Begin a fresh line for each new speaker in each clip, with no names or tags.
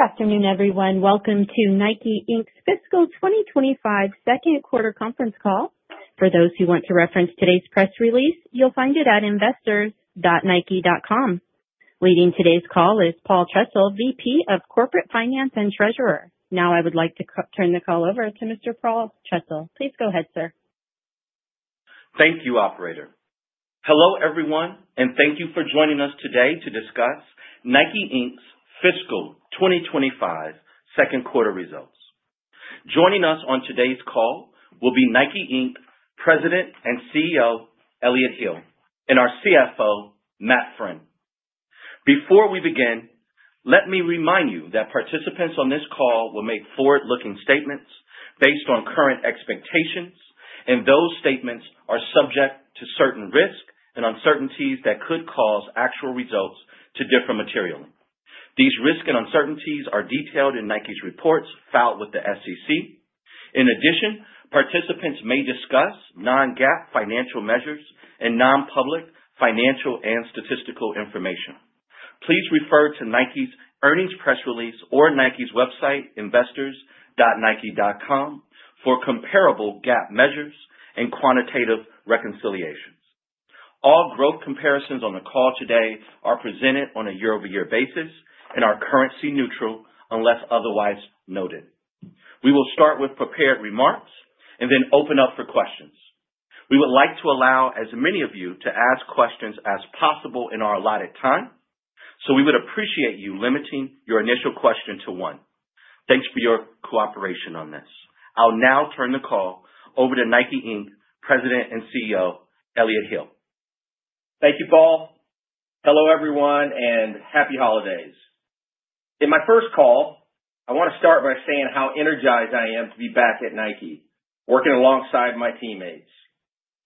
Good afternoon, everyone. Welcome to Nike Inc.'s Fiscal 2025 Second Quarter conference Call. For those who want to reference today's press release, you'll find it at investors.nike.com. Leading today's call is Paul Trussell, VP of Corporate Finance and Treasurer. Now I would like to turn the call over to Mr. Paul Trussell. Please go ahead, sir.
Thank you, Operator. Hello, everyone, and thank you for joining us today to discuss Nike Inc.'s Fiscal 2025 Second Quarter Results. Joining us on today's call will be Nike Inc. President and CEO, Elliott Hill, and our CFO, Matt Friend. Before we begin, let me remind you that participants on this call will make forward-looking statements based on current expectations, and those statements are subject to certain risks and uncertainties that could cause actual results to differ materially. These risks and uncertainties are detailed in Nike's reports filed with the SEC. In addition, participants may discuss non-GAAP financial measures and non-public financial and statistical information. Please refer to Nike's earnings press release or Nike's website, investors.nike.com, for comparable GAAP measures and quantitative reconciliations. All growth comparisons on the call today are presented on a year-over-year basis and are currency neutral unless otherwise noted. We will start with prepared remarks and then open up for questions. We would like to allow as many of you to ask questions as possible in our allotted time, so we would appreciate you limiting your initial question to one. Thanks for your cooperation on this. I'll now turn the call over to Nike Inc. President and CEO, Elliott Hill.
Thank you, Paul. Hello, everyone, and happy holidays. In my first call, I want to start by saying how energized I am to be back at Nike, working alongside my teammates.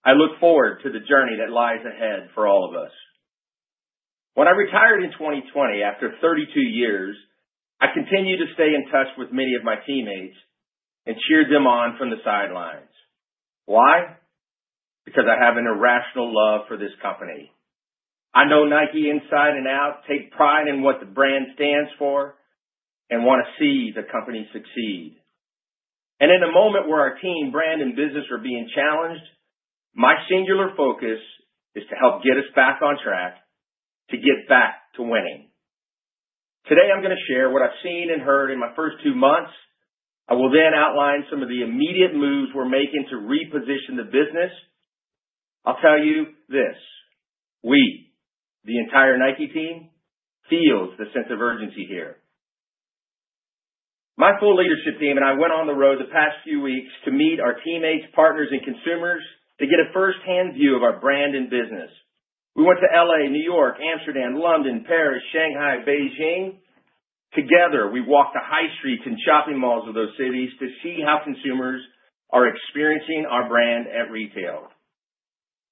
I look forward to the journey that lies ahead for all of us. When I retired in 2020, after 32 years, I continued to stay in touch with many of my teammates and cheered them on from the sidelines. Why? Because I have an irrational love for this company. I know Nike inside and out, take pride in what the brand stands for, and want to see the company succeed, and in a moment where our team, brand, and business are being challenged, my singular focus is to help get us back on track, to get back to winning. Today, I'm going to share what I've seen and heard in my first two months. I will then outline some of the immediate moves we're making to reposition the business. I'll tell you this: we, the entire Nike team, feel the sense of urgency here. My full leadership team and I went on the road the past few weeks to meet our teammates, partners, and consumers to get a firsthand view of our brand and business. We went to LA, New York, Amsterdam, London, Paris, Shanghai, Beijing. Together, we walked the high streets and shopping malls of those cities to see how consumers are experiencing our brand at retail.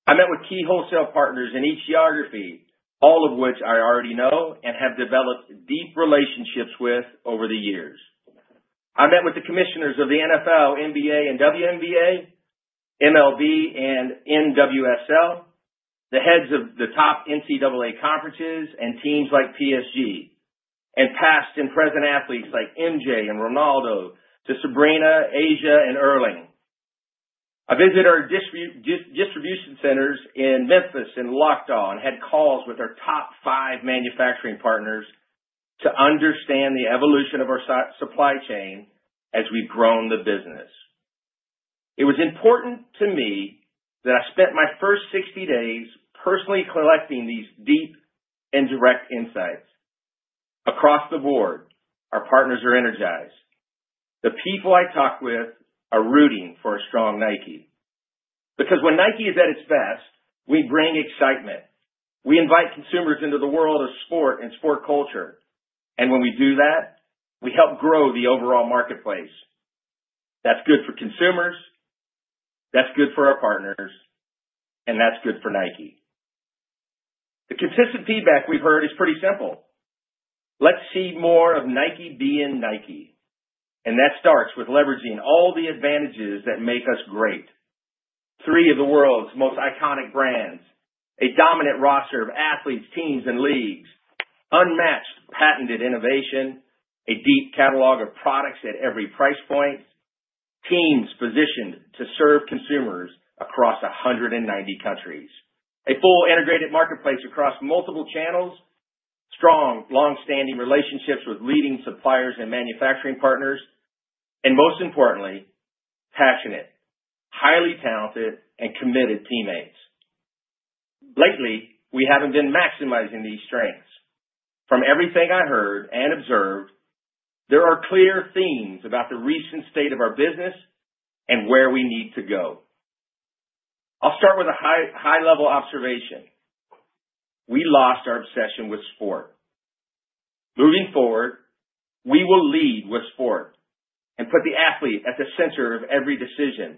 I met with key wholesale partners in each geography, all of which I already know and have developed deep relationships with over the years. I met with the commissioners of the NFL, NBA, and WNBA, MLB, and NWSL, the heads of the top NCAA conferences and teams like PSG, and past and present athletes like MJ and Ronaldo to Sabrina, A'ja, and Erling. I visited our distribution centers in Memphis and Laakdal and had calls with our top five manufacturing partners to understand the evolution of our supply chain as we've grown the business. It was important to me that I spent my first 60 days personally collecting these deep and direct insights. Across the board, our partners are energized. The people I talk with are rooting for a strong Nike. Because when Nike is at its best, we bring excitement. We invite consumers into the world of sport and sport culture, and when we do that, we help grow the overall marketplace. That's good for consumers, that's good for our partners, and that's good for Nike. The consistent feedback we've heard is pretty simple. Let's see more of Nike being Nike, and that starts with leveraging all the advantages that make us great. Three of the world's most iconic brands, a dominant roster of athletes, teams, and leagues, unmatched patented innovation, a deep catalog of products at every price point, teams positioned to serve consumers across 190 countries, a full integrated marketplace across multiple channels, strong, long-standing relationships with leading suppliers and manufacturing partners, and most importantly, passionate, highly talented, and committed teammates. Lately, we haven't been maximizing these strengths. From everything I heard and observed, there are clear themes about the recent state of our business and where we need to go. I'll start with a high-level observation. We lost our obsession with sport. Moving forward, we will lead with sport and put the athlete at the center of every decision.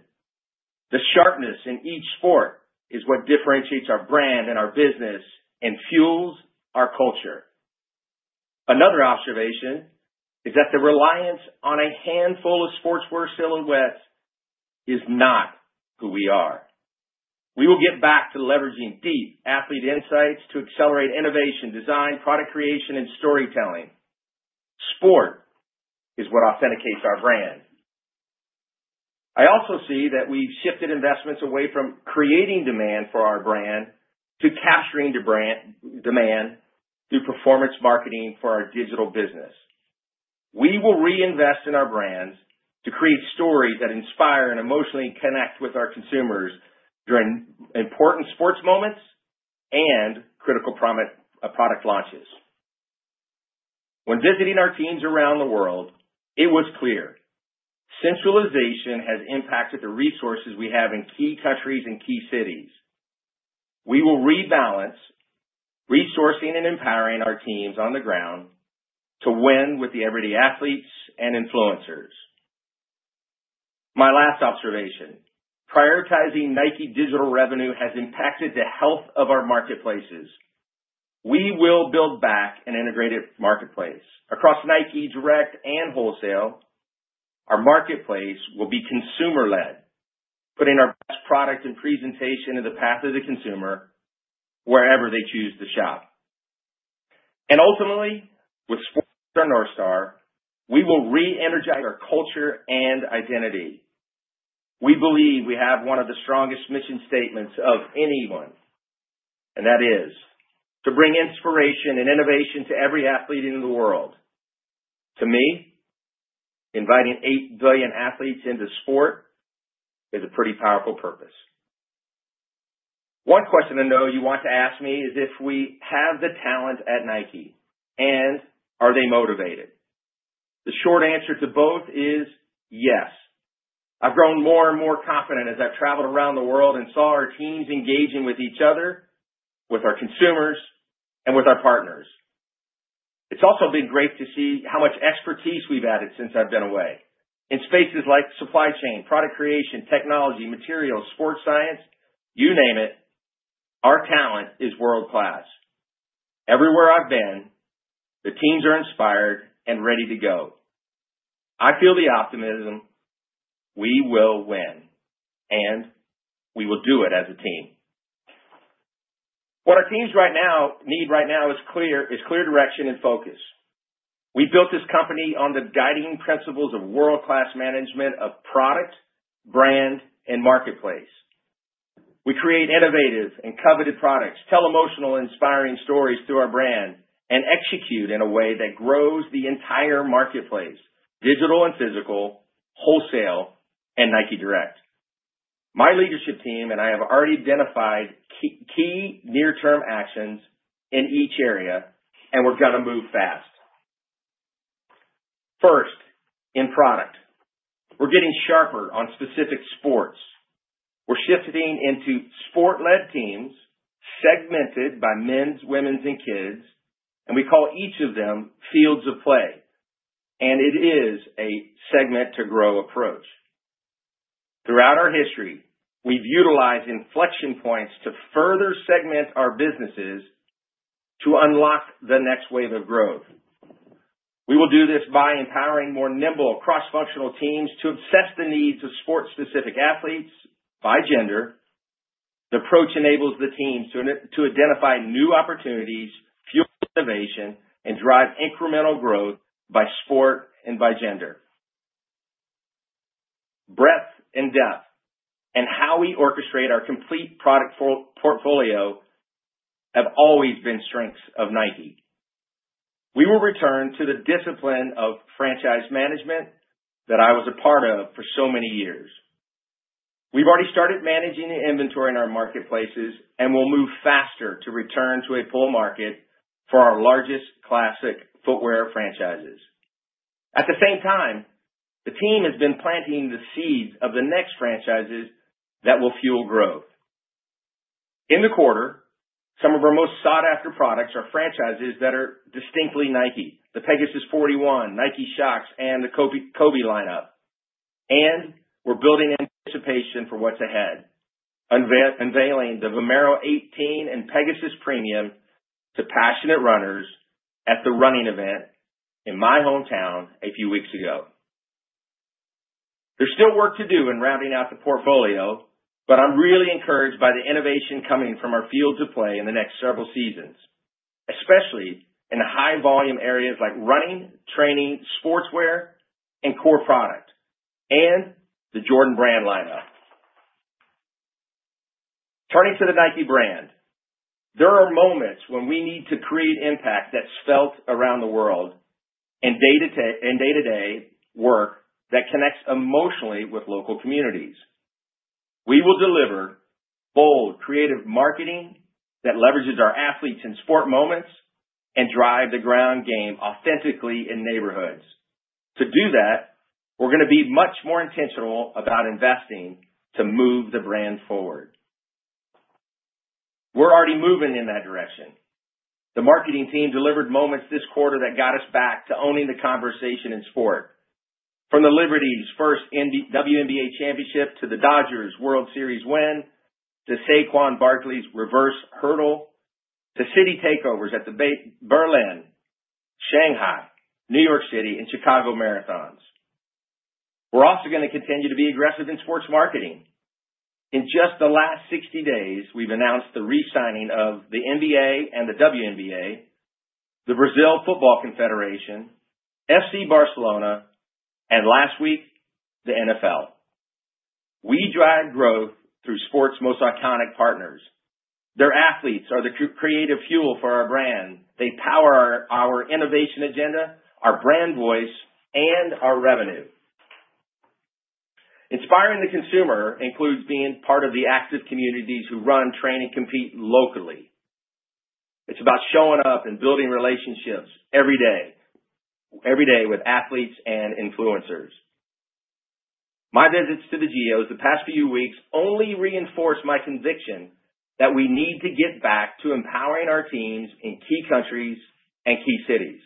The sharpness in each sport is what differentiates our brand and our business and fuels our culture. Another observation is that the reliance on a handful of sportswear silhouettes is not who we are. We will get back to leveraging deep athlete insights to accelerate innovation, design, product creation, and storytelling. Sport is what authenticates our brand. I also see that we've shifted investments away from creating demand for our brand to capturing demand through performance marketing for our digital business. We will reinvest in our brands to create stories that inspire and emotionally connect with our consumers during important sports moments and critical product launches. When visiting our teams around the world, it was clear centralization has impacted the resources we have in key countries and key cities. We will rebalance resourcing and empowering our teams on the ground to win with the everyday athletes and influencers. My last observation: prioritizing Nike Digital revenue has impacted the health of our marketplaces. We will build back an integrated marketplace. Across Nike Direct and wholesale, our marketplace will be consumer-led, putting our best product and presentation in the path of the consumer wherever they choose to shop, and ultimately, with sportswear as our North Star, we will re-energize our culture and identity. We believe we have one of the strongest mission statements of anyone, and that is to bring inspiration and innovation to every athlete in the world. To me, inviting eight billion athletes into sport is a pretty powerful purpose. One question I know you want to ask me is if we have the talent at Nike and are they motivated. The short answer to both is yes. I've grown more and more confident as I've traveled around the world and saw our teams engaging with each other, with our consumers, and with our partners. It's also been great to see how much expertise we've added since I've been away. In spaces like supply chain, product creation, technology, materials, sports science, you name it, our talent is world-class. Everywhere I've been, the teams are inspired and ready to go. I feel the optimism. We will win, and we will do it as a team. What our teams right now need right now is clear direction and focus. We built this company on the guiding principles of world-class management of product, brand, and marketplace. We create innovative and coveted products, tell emotional and inspiring stories through our brand, and execute in a way that grows the entire marketplace, digital and physical, wholesale, and Nike direct. My leadership team and I have already identified key near-term actions in each area, and we're going to move fast. First, in product, we're getting sharper on specific sports. We're shifting into sport-led teams segmented by men's, women's, and kids, and we call each of them Fields of Play, and it is a segment-to-grow approach. Throughout our history, we've utilized inflection points to further segment our businesses to unlock the next wave of growth. We will do this by empowering more nimble, cross-functional teams to assess the needs of sport-specific athletes by gender. The approach enables the teams to identify new opportunities, fuel innovation, and drive incremental growth by sport and by gender. Breadth and depth and how we orchestrate our complete product portfolio have always been strengths of Nike. We will return to the discipline of franchise management that I was a part of for so many years. We've already started managing the inventory in our marketplaces and will move faster to return to a full market for our largest classic footwear franchises. At the same time, the team has been planting the seeds of the next franchises that will fuel growth. In the quarter, some of our most sought-after products are franchises that are distinctly Nike: the Pegasus 41, Nike Shox, and the Kobe lineup. And we're building anticipation for what's ahead, unveiling the Vomero 18 and Pegasus Premium to passionate runners at The Running Event in my hometown a few weeks ago. There's still work to do in rounding out the portfolio, but I'm really encouraged by the innovation coming from our Fields of Play in the next several seasons, especially in high-volume areas like running, training, sportswear, and core product, and the Jordan Brand lineup. Turning to the Nike brand, there are moments when we need to create impact that's felt around the world and day-to-day work that connects emotionally with local communities. We will deliver bold, creative marketing that leverages our athletes in sport moments and drives the ground game authentically in neighborhoods. To do that, we're going to be much more intentional about investing to move the brand forward. We're already moving in that direction. The marketing team delivered moments this quarter that got us back to owning the conversation in sport. From the Liberty's first WNBA championship to the Dodgers' World Series win to Saquon Barkley's reverse hurdle to city takeovers at the Berlin, Shanghai, New York City, and Chicago marathons. We're also going to continue to be aggressive in sports marketing. In just the last 60 days, we've announced the re-signing of the NBA and the WNBA, the Brazil Football Confederation, FC Barcelona, and last week, the NFL. We drive growth through sports' most iconic partners. Their athletes are the creative fuel for our brand. They power our innovation agenda, our brand voice, and our revenue. Inspiring the consumer includes being part of the active communities who run, train, and compete locally. It's about showing up and building relationships every day with athletes and influencers. My visits to the Geos the past few weeks only reinforced my conviction that we need to get back to empowering our teams in key countries and key cities.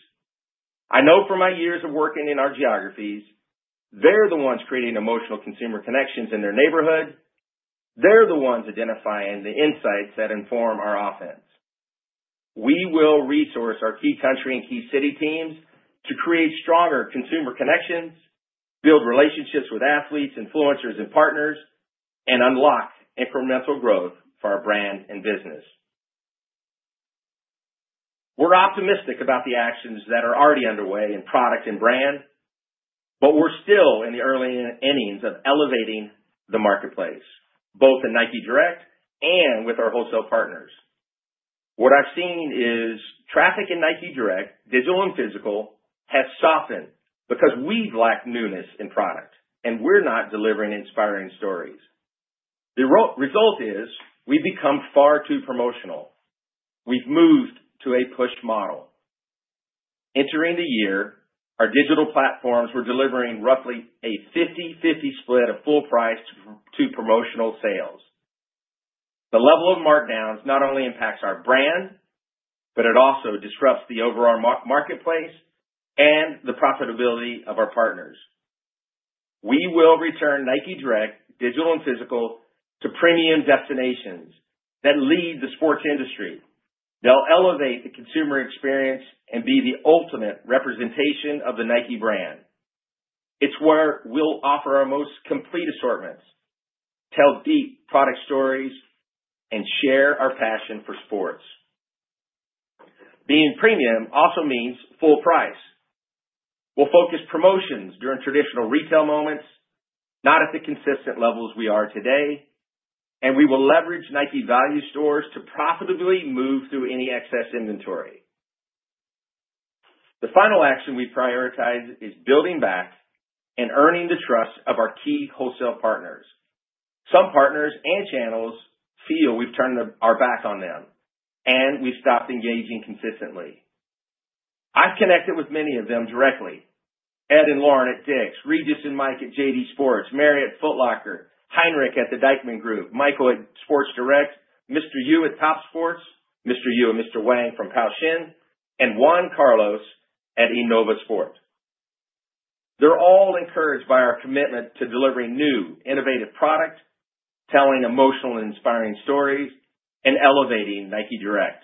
I know from my years of working in our geographies, they're the ones creating emotional consumer connections in their neighborhood. They're the ones identifying the insights that inform our offense. We will resource our key country and key city teams to create stronger consumer connections, build relationships with athletes, influencers, and partners, and unlock incremental growth for our brand and business. We're optimistic about the actions that are already underway in product and brand, but we're still in the early innings of elevating the marketplace, both in Nike Direct and with our wholesale partners. What I've seen is traffic in Nike Direct, Digital and physical, has softened because we've lacked newness in product, and we're not delivering inspiring stories. The result is we've become far too promotional. We've moved to a push model. Entering the year, our digital platforms were delivering roughly a 50/50 split of full price to promotional sales. The level of markdowns not only impacts our brand, but it also disrupts the overall marketplace and the profitability of our partners. We will return Nike Direct, digital and physical, to premium destinations that lead the sports industry. They'll elevate the consumer experience and be the ultimate representation of the Nike brand. It's where we'll offer our most complete assortments, tell deep product stories, and share our passion for sports. Being premium also means full price. We'll focus promotions during traditional retail moments, not at the consistent levels we are today, and we will leverage Nike Value Stores to profitably move through any excess inventory. The final action we prioritize is building back and earning the trust of our key wholesale partners. Some partners and channels feel we've turned our back on them, and we've stopped engaging consistently. I've connected with many of them directly: Ed and Lauren at Dick's, Régis and Mike at JD Sports, Mary at Foot Locker, Heinrich at the Deichmann Group, Michael at Sports Direct, Mr. Yu at Topsports, Mr. Yu and Mr. Wang from Pou Sheng, and Juan Carlos at Innovasport. They're all encouraged by our commitment to delivering new, innovative product, telling emotional and inspiring stories, and elevating Nike Direct.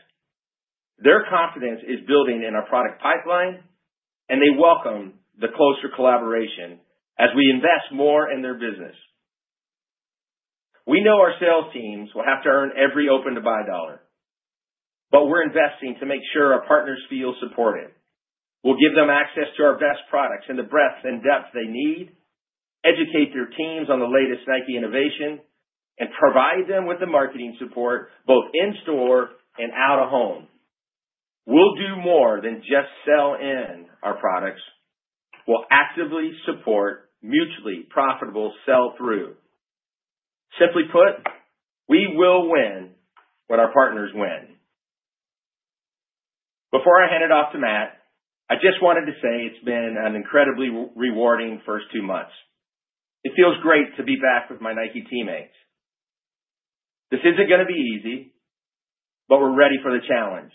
Their confidence is building in our product pipeline, and they welcome the closer collaboration as we invest more in their business. We know our sales teams will have to earn every open-to-buy dollar, but we're investing to make sure our partners feel supported. We'll give them access to our best products in the breadth and depth they need, educate their teams on the latest Nike innovation, and provide them with the marketing support both in store and out of home. We'll do more than just sell in our products. We'll actively support mutually profitable sell-through. Simply put, we will win when our partners win. Before I hand it off to Matt, I just wanted to say it's been an incredibly rewarding first two months. It feels great to be back with my Nike teammates. This isn't going to be easy, but we're ready for the challenge.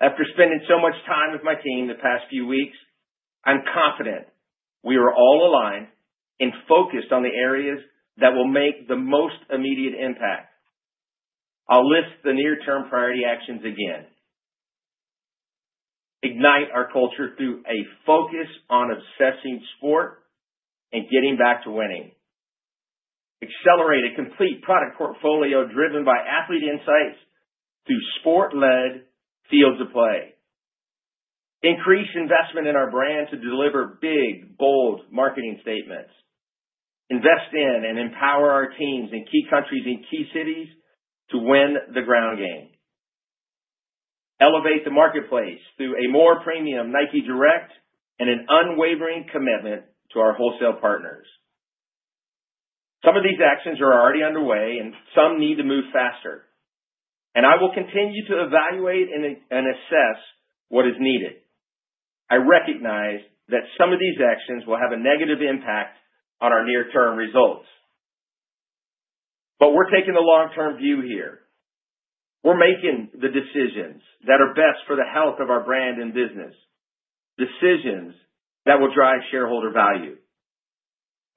After spending so much time with my team the past few weeks, I'm confident we are all aligned and focused on the areas that will make the most immediate impact. I'll list the near-term priority actions again: ignite our culture through a focus on assessing sport and getting back to winning, accelerate a complete product portfolio driven by athlete insights through sport-led Fields of Play, increase investment in our brand to deliver big, bold marketing statements, invest in and empower our teams in key countries and key cities to win the Ground Game, elevate the marketplace through a more premium Nike Direct and an unwavering commitment to our wholesale partners. Some of these actions are already underway, and some need to move faster. I will continue to evaluate and assess what is needed. I recognize that some of these actions will have a negative impact on our near-term results. We're taking the long-term view here. We're making the decisions that are best for the health of our brand and business, decisions that will drive shareholder value.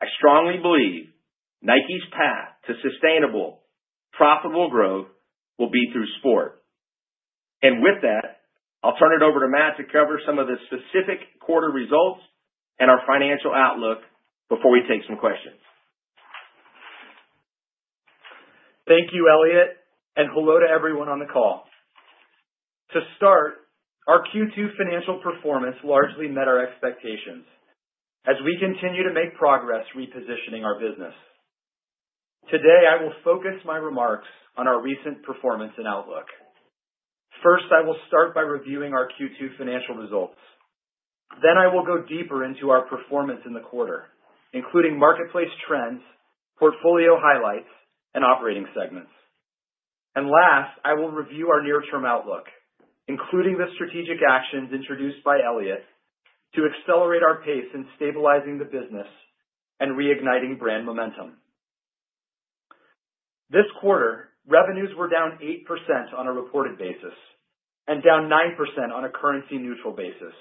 I strongly believe Nike's path to sustainable, profitable growth will be through sport, and with that, I'll turn it over to Matt to cover some of the specific quarter results and our financial outlook before we take some questions.
Thank you, Elliott, and hello to everyone on the call. To start, our Q2 financial performance largely met our expectations as we continue to make progress repositioning our business. Today, I will focus my remarks on our recent performance and outlook. First, I will start by reviewing our Q2 financial results. Then I will go deeper into our performance in the quarter, including marketplace trends, portfolio highlights, and operating segments, and last, I will review our near-term outlook, including the strategic actions introduced by Elliott to accelerate our pace in stabilizing the business and reigniting brand momentum. This quarter, revenues were down 8% on a reported basis and down 9% on a currency-neutral basis,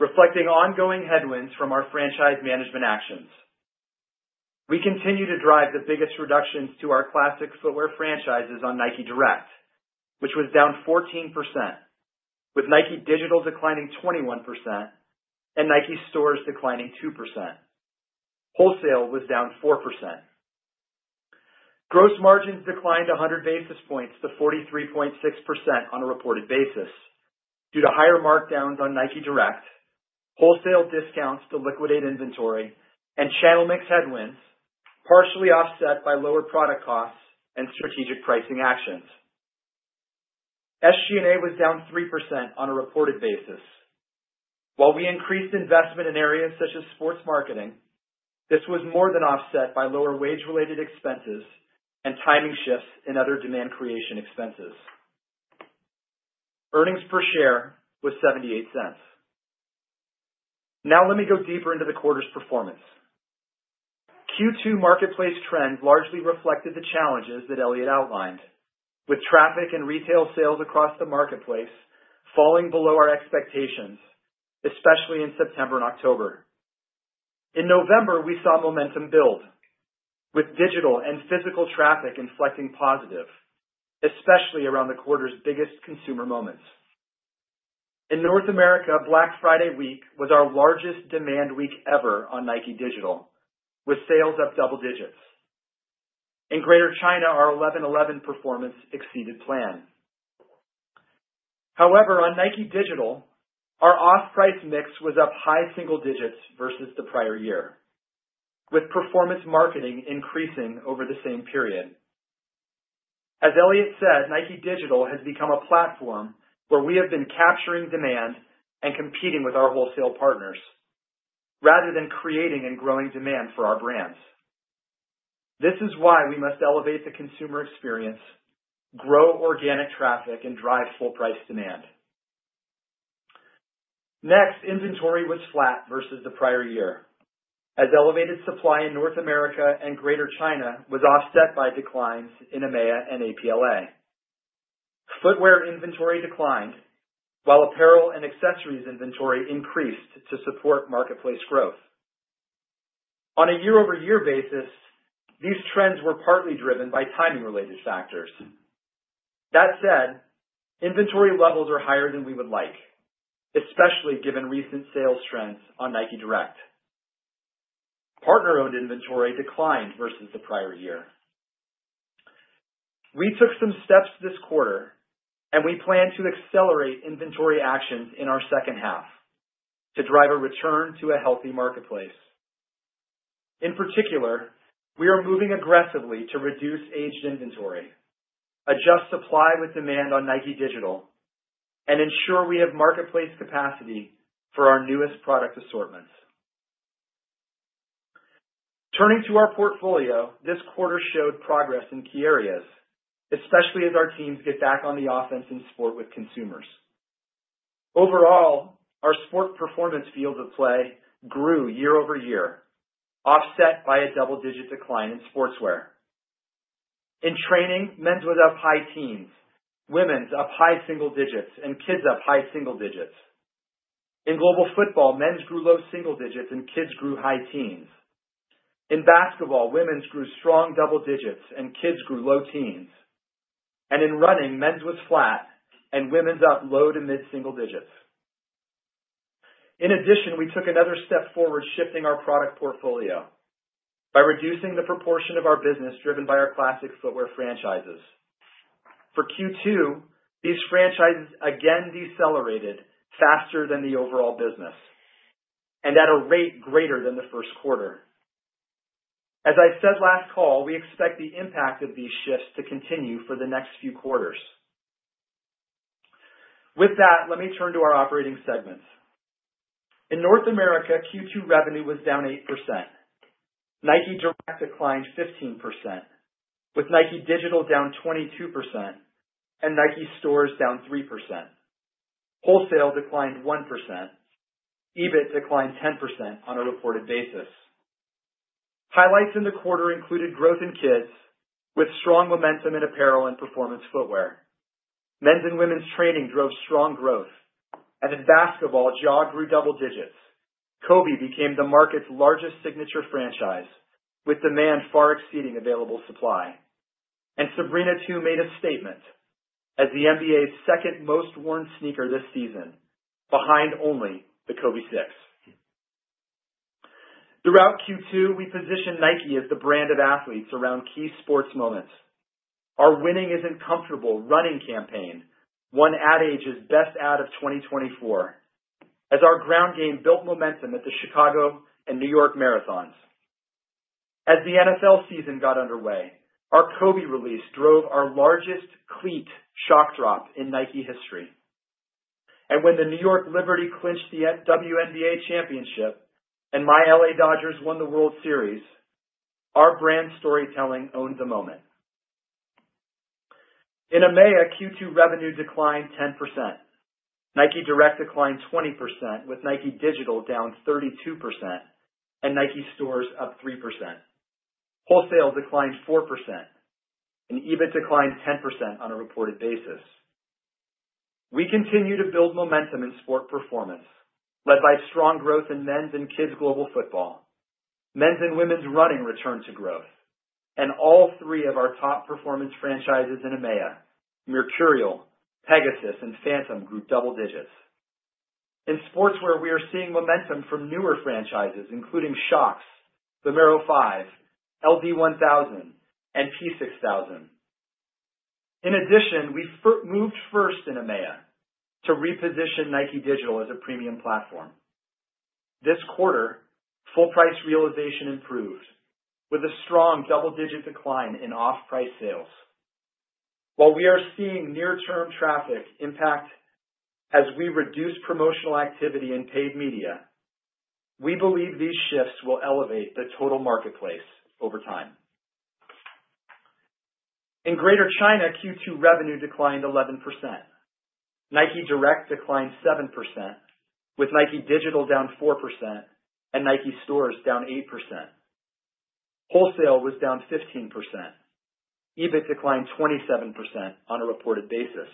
reflecting ongoing headwinds from our franchise management actions. We continue to drive the biggest reductions to our classic footwear franchises on Nike Direct, which was down 14%, with Nike Digital declining 21% and Nike stores declining 2%. Wholesale was down 4%. Gross margins declined 100 basis points to 43.6% on a reported basis due to higher markdowns on Nike Direct, wholesale discounts to liquidate inventory, and channel mix headwinds partially offset by lower product costs and strategic pricing actions. SG&A was down 3% on a reported basis. While we increased investment in areas such as sports marketing, this was more than offset by lower wage-related expenses and timing shifts in other demand creation expenses. Earnings per share was $0.78. Now, let me go deeper into the quarter's performance. Q2 marketplace trends largely reflected the challenges that Elliott outlined, with traffic and retail sales across the marketplace falling below our expectations, especially in September and October. In November, we saw momentum build, with digital and physical traffic inflecting positive, especially around the quarter's biggest consumer moments. In North America, Black Friday week was our largest demand week ever on Nike Digital, with sales up double digits. In Greater China, our 11/11 performance exceeded plan. However, on Nike Digital, our off-price mix was up high single digits versus the prior year, with performance marketing increasing over the same period. As Elliott said, Nike Digital has become a platform where we have been capturing demand and competing with our wholesale partners rather than creating and growing demand for our brands. This is why we must elevate the consumer experience, grow organic traffic, and drive full-price demand. Next, inventory was flat versus the prior year, as elevated supply in North America and Greater China was offset by declines in EMEA and APLA. Footwear inventory declined, while apparel and accessories inventory increased to support marketplace growth. On a year-over-year basis, these trends were partly driven by timing-related factors. That said, inventory levels are higher than we would like, especially given recent sales trends on Nike Direct. Partner-owned inventory declined versus the prior year. We took some steps this quarter, and we plan to accelerate inventory actions in our second half to drive a return to a healthy marketplace. In particular, we are moving aggressively to reduce aged inventory, adjust supply with demand on Nike Digital, and ensure we have marketplace capacity for our newest product assortments. Turning to our portfolio, this quarter showed progress in key areas, especially as our teams get back on the offense in sport with consumers. Overall, our sport performance Field of Play grew year-over-year, offset by a double-digit decline in sportswear. In training, men's was up high teens, women's up high single digits, and kids up high single digits. In global football, men's grew low single digits, and kids grew high teens. In basketball, women's grew strong double digits, and kids grew low teens, and in running, men's was flat and women's up low to mid single digits. In addition, we took another step forward shifting our product portfolio by reducing the proportion of our business driven by our classic footwear franchises. For Q2, these franchises again decelerated faster than the overall business and at a rate greater than the first quarter. As I said last call, we expect the impact of these shifts to continue for the next few quarters. With that, let me turn to our operating segments. In North America, Q2 revenue was down 8%. Nike Direct declined 15%, with Nike Digital down 22% and Nike stores down 3%. Wholesale declined 1%. EBIT declined 10% on a reported basis. Highlights in the quarter included growth in kids with strong momentum in apparel and performance footwear. Men's and women's training drove strong growth, and in basketball, Ja grew double digits. Kobe became the market's largest signature franchise, with demand far exceeding available supply, and Sabrina 2 made a statement as the NBA's second most worn sneaker this season, behind only the Kobe 6. Throughout Q2, we positioned Nike as the brand of athletes around key sports moments. Our Winning Isn't Comfortable running campaign won Ad Age's best ad of 2024, as our ground game built momentum at the Chicago and New York Marathons. As the NFL season got underway, our Kobe release drove our largest cleat shock drop in Nike history. And when the New York Liberty clinched the WNBA championship and my LA Dodgers won the World Series, our brand storytelling owned the moment. In EMEA, Q2 revenue declined 10%. Nike Direct declined 20%, with Nike Digital down 32% and Nike stores up 3%. Wholesale declined 4% and EBIT declined 10% on a reported basis. We continue to build momentum in sport performance, led by strong growth in men's and kids' global football. Men's and women's running returned to growth, and all three of our top performance franchises in EMEA, Mercurial, Pegasus, and Phantom grew double digits. In sportswear, we are seeing momentum from newer franchises, including Shox, the Vomero 5, LD-1000, and P-6000. In addition, we moved first in EMEA to reposition Nike Digital as a premium platform. This quarter, full-price realization improved, with a strong double-digit decline in off-price sales. While we are seeing near-term traffic impact as we reduce promotional activity in paid media, we believe these shifts will elevate the total marketplace over time. In Greater China, Q2 revenue declined 11%. Nike Direct declined 7%, with Nike Digital down 4% and Nike stores down 8%. Wholesale was down 15%. EBIT declined 27% on a reported basis.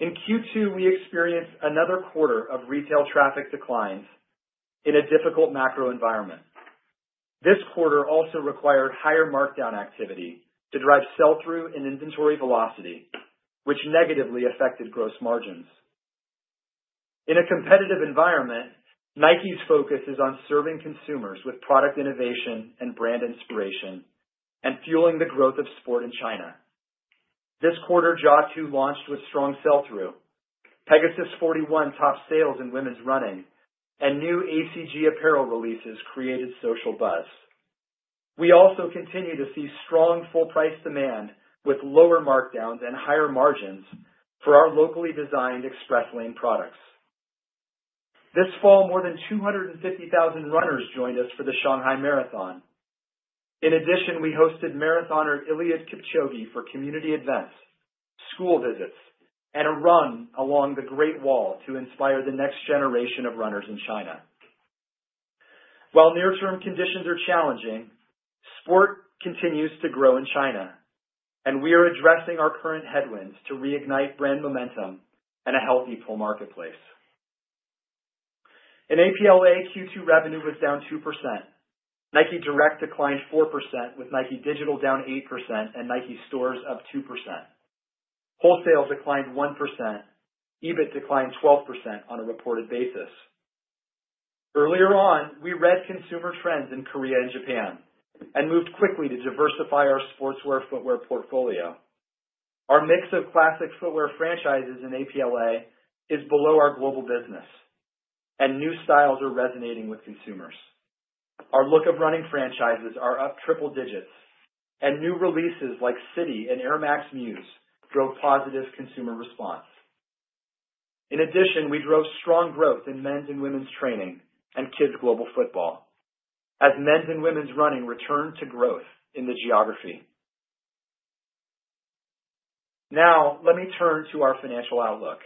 In Q2, we experienced another quarter of retail traffic declines in a difficult macro environment. This quarter also required higher markdown activity to drive sell-through and inventory velocity, which negatively affected gross margins. In a competitive environment, Nike's focus is on serving consumers with product innovation and brand inspiration and fueling the growth of sport in China. This quarter, Ja 2 launched with strong sell-through. Pegasus 41 topped sales in women's running, and new ACG apparel releases created social buzz. We also continue to see strong full-price demand with lower markdowns and higher margins for our locally designed Express Lane products. This fall, more than 250,000 runners joined us for the Shanghai Marathon. In addition, we hosted marathoner Eliud Kipchoge for community events, school visits, and a run along the Great Wall to inspire the next generation of runners in China. While near-term conditions are challenging, sport continues to grow in China, and we are addressing our current headwinds to reignite brand momentum and a healthy full marketplace. In APLA, Q2 revenue was down 2%. Nike Direct declined 4%, with Nike Digital down 8% and Nike stores up 2%. Wholesale declined 1%. EBIT declined 12% on a reported basis. Earlier on, we read consumer trends in Korea and Japan and moved quickly to diversify our sportswear footwear portfolio. Our mix of classic footwear franchises in APLA is below our global business, and new styles are resonating with consumers. Our look of running franchises are up triple digits, and new releases like C1TY and Air Max Muse drove positive consumer response. In addition, we drove strong growth in men's and women's training and kids' global football, as men's and women's running returned to growth in the geography. Now, let me turn to our financial outlook.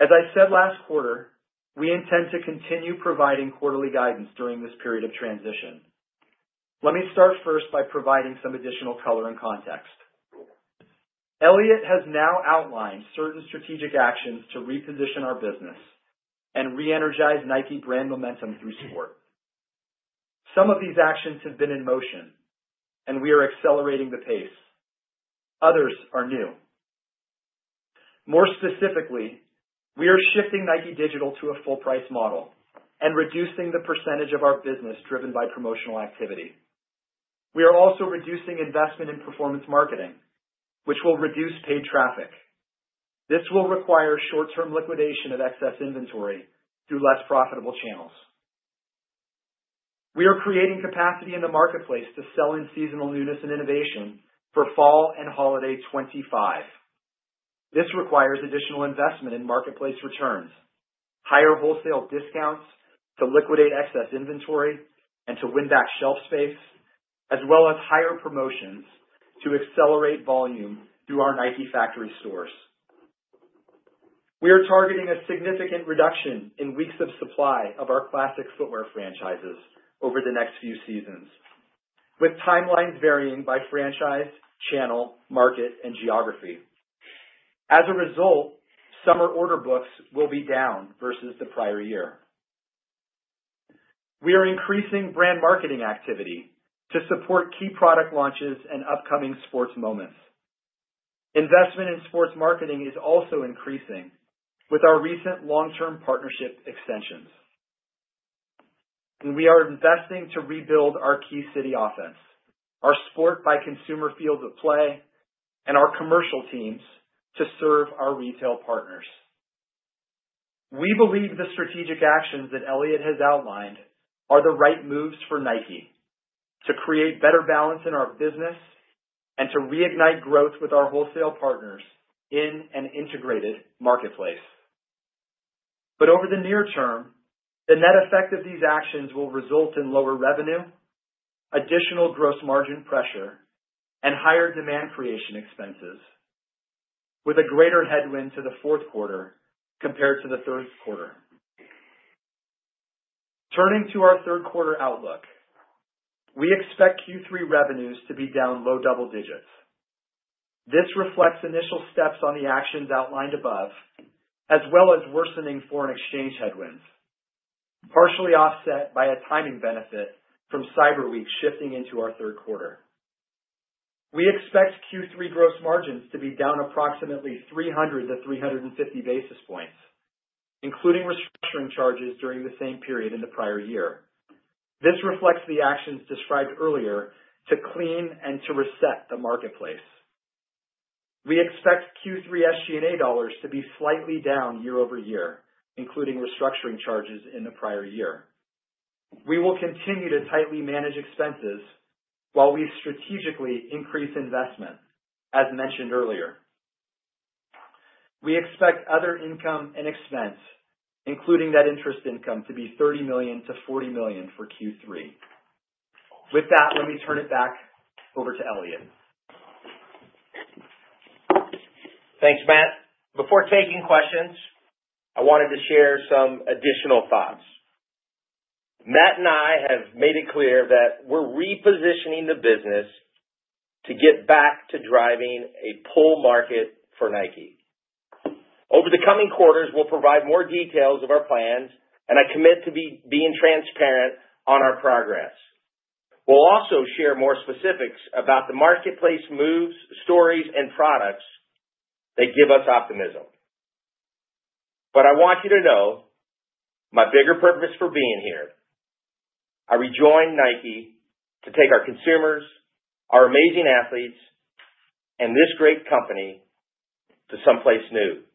As I said last quarter, we intend to continue providing quarterly guidance during this period of transition. Let me start first by providing some additional color and context. Elliott has now outlined certain strategic actions to reposition our business and reenergize Nike brand momentum through sport. Some of these actions have been in motion, and we are accelerating the pace. Others are new. More specifically, we are shifting Nike Digital to a full-price model and reducing the percentage of our business driven by promotional activity. We are also reducing investment in performance marketing, which will reduce paid traffic. This will require short-term liquidation of excess inventory through less profitable channels. We are creating capacity in the marketplace to sell in seasonal newness and innovation for fall and holiday 2025. This requires additional investment in marketplace returns, higher wholesale discounts to liquidate excess inventory and to win back shelf space, as well as higher promotions to accelerate volume through our Nike factory stores. We are targeting a significant reduction in weeks of supply of our classic footwear franchises over the next few seasons, with timelines varying by franchise, channel, market, and geography. As a result, summer order books will be down versus the prior year. We are increasing brand marketing activity to support key product launches and upcoming sports moments. Investment in sports marketing is also increasing with our recent long-term partnership extensions, and we are investing to rebuild our key city offense, our sport by consumer field of play, and our commercial teams to serve our retail partners. We believe the strategic actions that Elliott has outlined are the right moves for Nike to create better balance in our business and to reignite growth with our wholesale partners in an integrated marketplace. But over the near term, the net effect of these actions will result in lower revenue, additional gross margin pressure, and higher demand creation expenses, with a greater headwind to the fourth quarter compared to the third quarter. Turning to our third quarter outlook, we expect Q3 revenues to be down low double digits. This reflects initial steps on the actions outlined above, as well as worsening foreign exchange headwinds, partially offset by a timing benefit from Cyber Week shifting into our third quarter. We expect Q3 gross margins to be down approximately 300-350 basis points, including restructuring charges during the same period in the prior year. This reflects the actions described earlier to clean and to reset the marketplace. We expect Q3 SG&A dollars to be slightly down year over year, including restructuring charges in the prior year. We will continue to tightly manage expenses while we strategically increase investment, as mentioned earlier. We expect other income and expense, including net interest income, to be $30 million-$40 million for Q3. With that, let me turn it back over to Elliott.
Thanks, Matt. Before taking questions, I wanted to share some additional thoughts. Matt and I have made it clear that we're repositioning the business to get back to driving a full market for Nike. Over the coming quarters, we'll provide more details of our plans, and I commit to being transparent on our progress. We'll also share more specifics about the marketplace moves, stories, and products that give us optimism. But I want you to know my bigger purpose for being here. I rejoin Nike to take our consumers, our amazing athletes, and this great company to someplace new.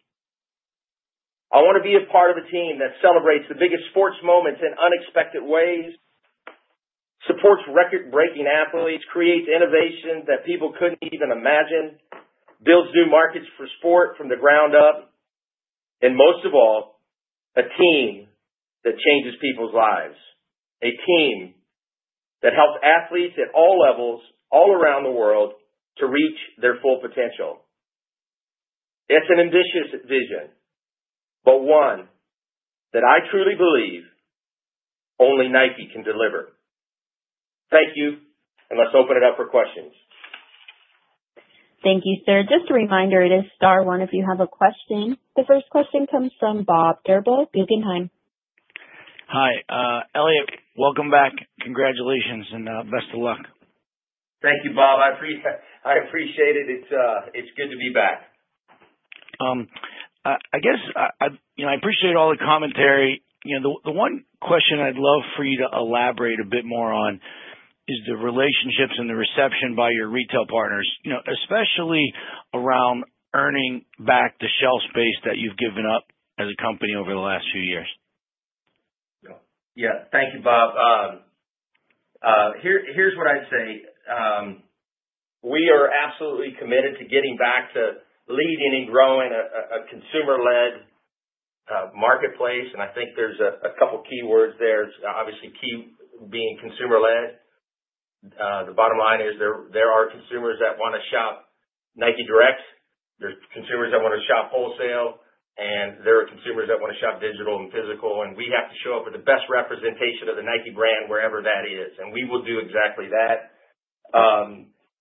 I want to be a part of a team that celebrates the biggest sports moments in unexpected ways, supports record-breaking athletes, creates innovation that people couldn't even imagine, builds new markets for sport from the ground up, and most of all, a team that changes people's lives. A team that helps athletes at all levels all around the world to reach their full potential. It's an ambitious vision, but one that I truly believe only Nike can deliver. Thank you, and let's open it up for questions.
Thank you, sir. Just a reminder, it is star one if you have a question. The first question comes from Bob Drbul, Guggenheim.
Hi, Elliott. Welcome back. Congratulations and best of luck.
Thank you, Bob. I appreciate it. It's good to be back.
I guess I appreciate all the commentary. The one question I'd love for you to elaborate a bit more on is the relationships and the reception by your retail partners, especially around earning back the shelf space that you've given up as a company over the last few years.
Yeah. Thank you, Bob. Here's what I'd say. We are absolutely committed to getting back to leading and growing a consumer-led marketplace, and I think there's a couple of key words there. Obviously, key being consumer-led. The bottom line is there are consumers that want to shop Nike Direct. There's consumers that want to shop Wholesale, and there are consumers that want to shop digital and physical. We have to show up with the best representation of the Nike brand wherever that is, and we will do exactly that.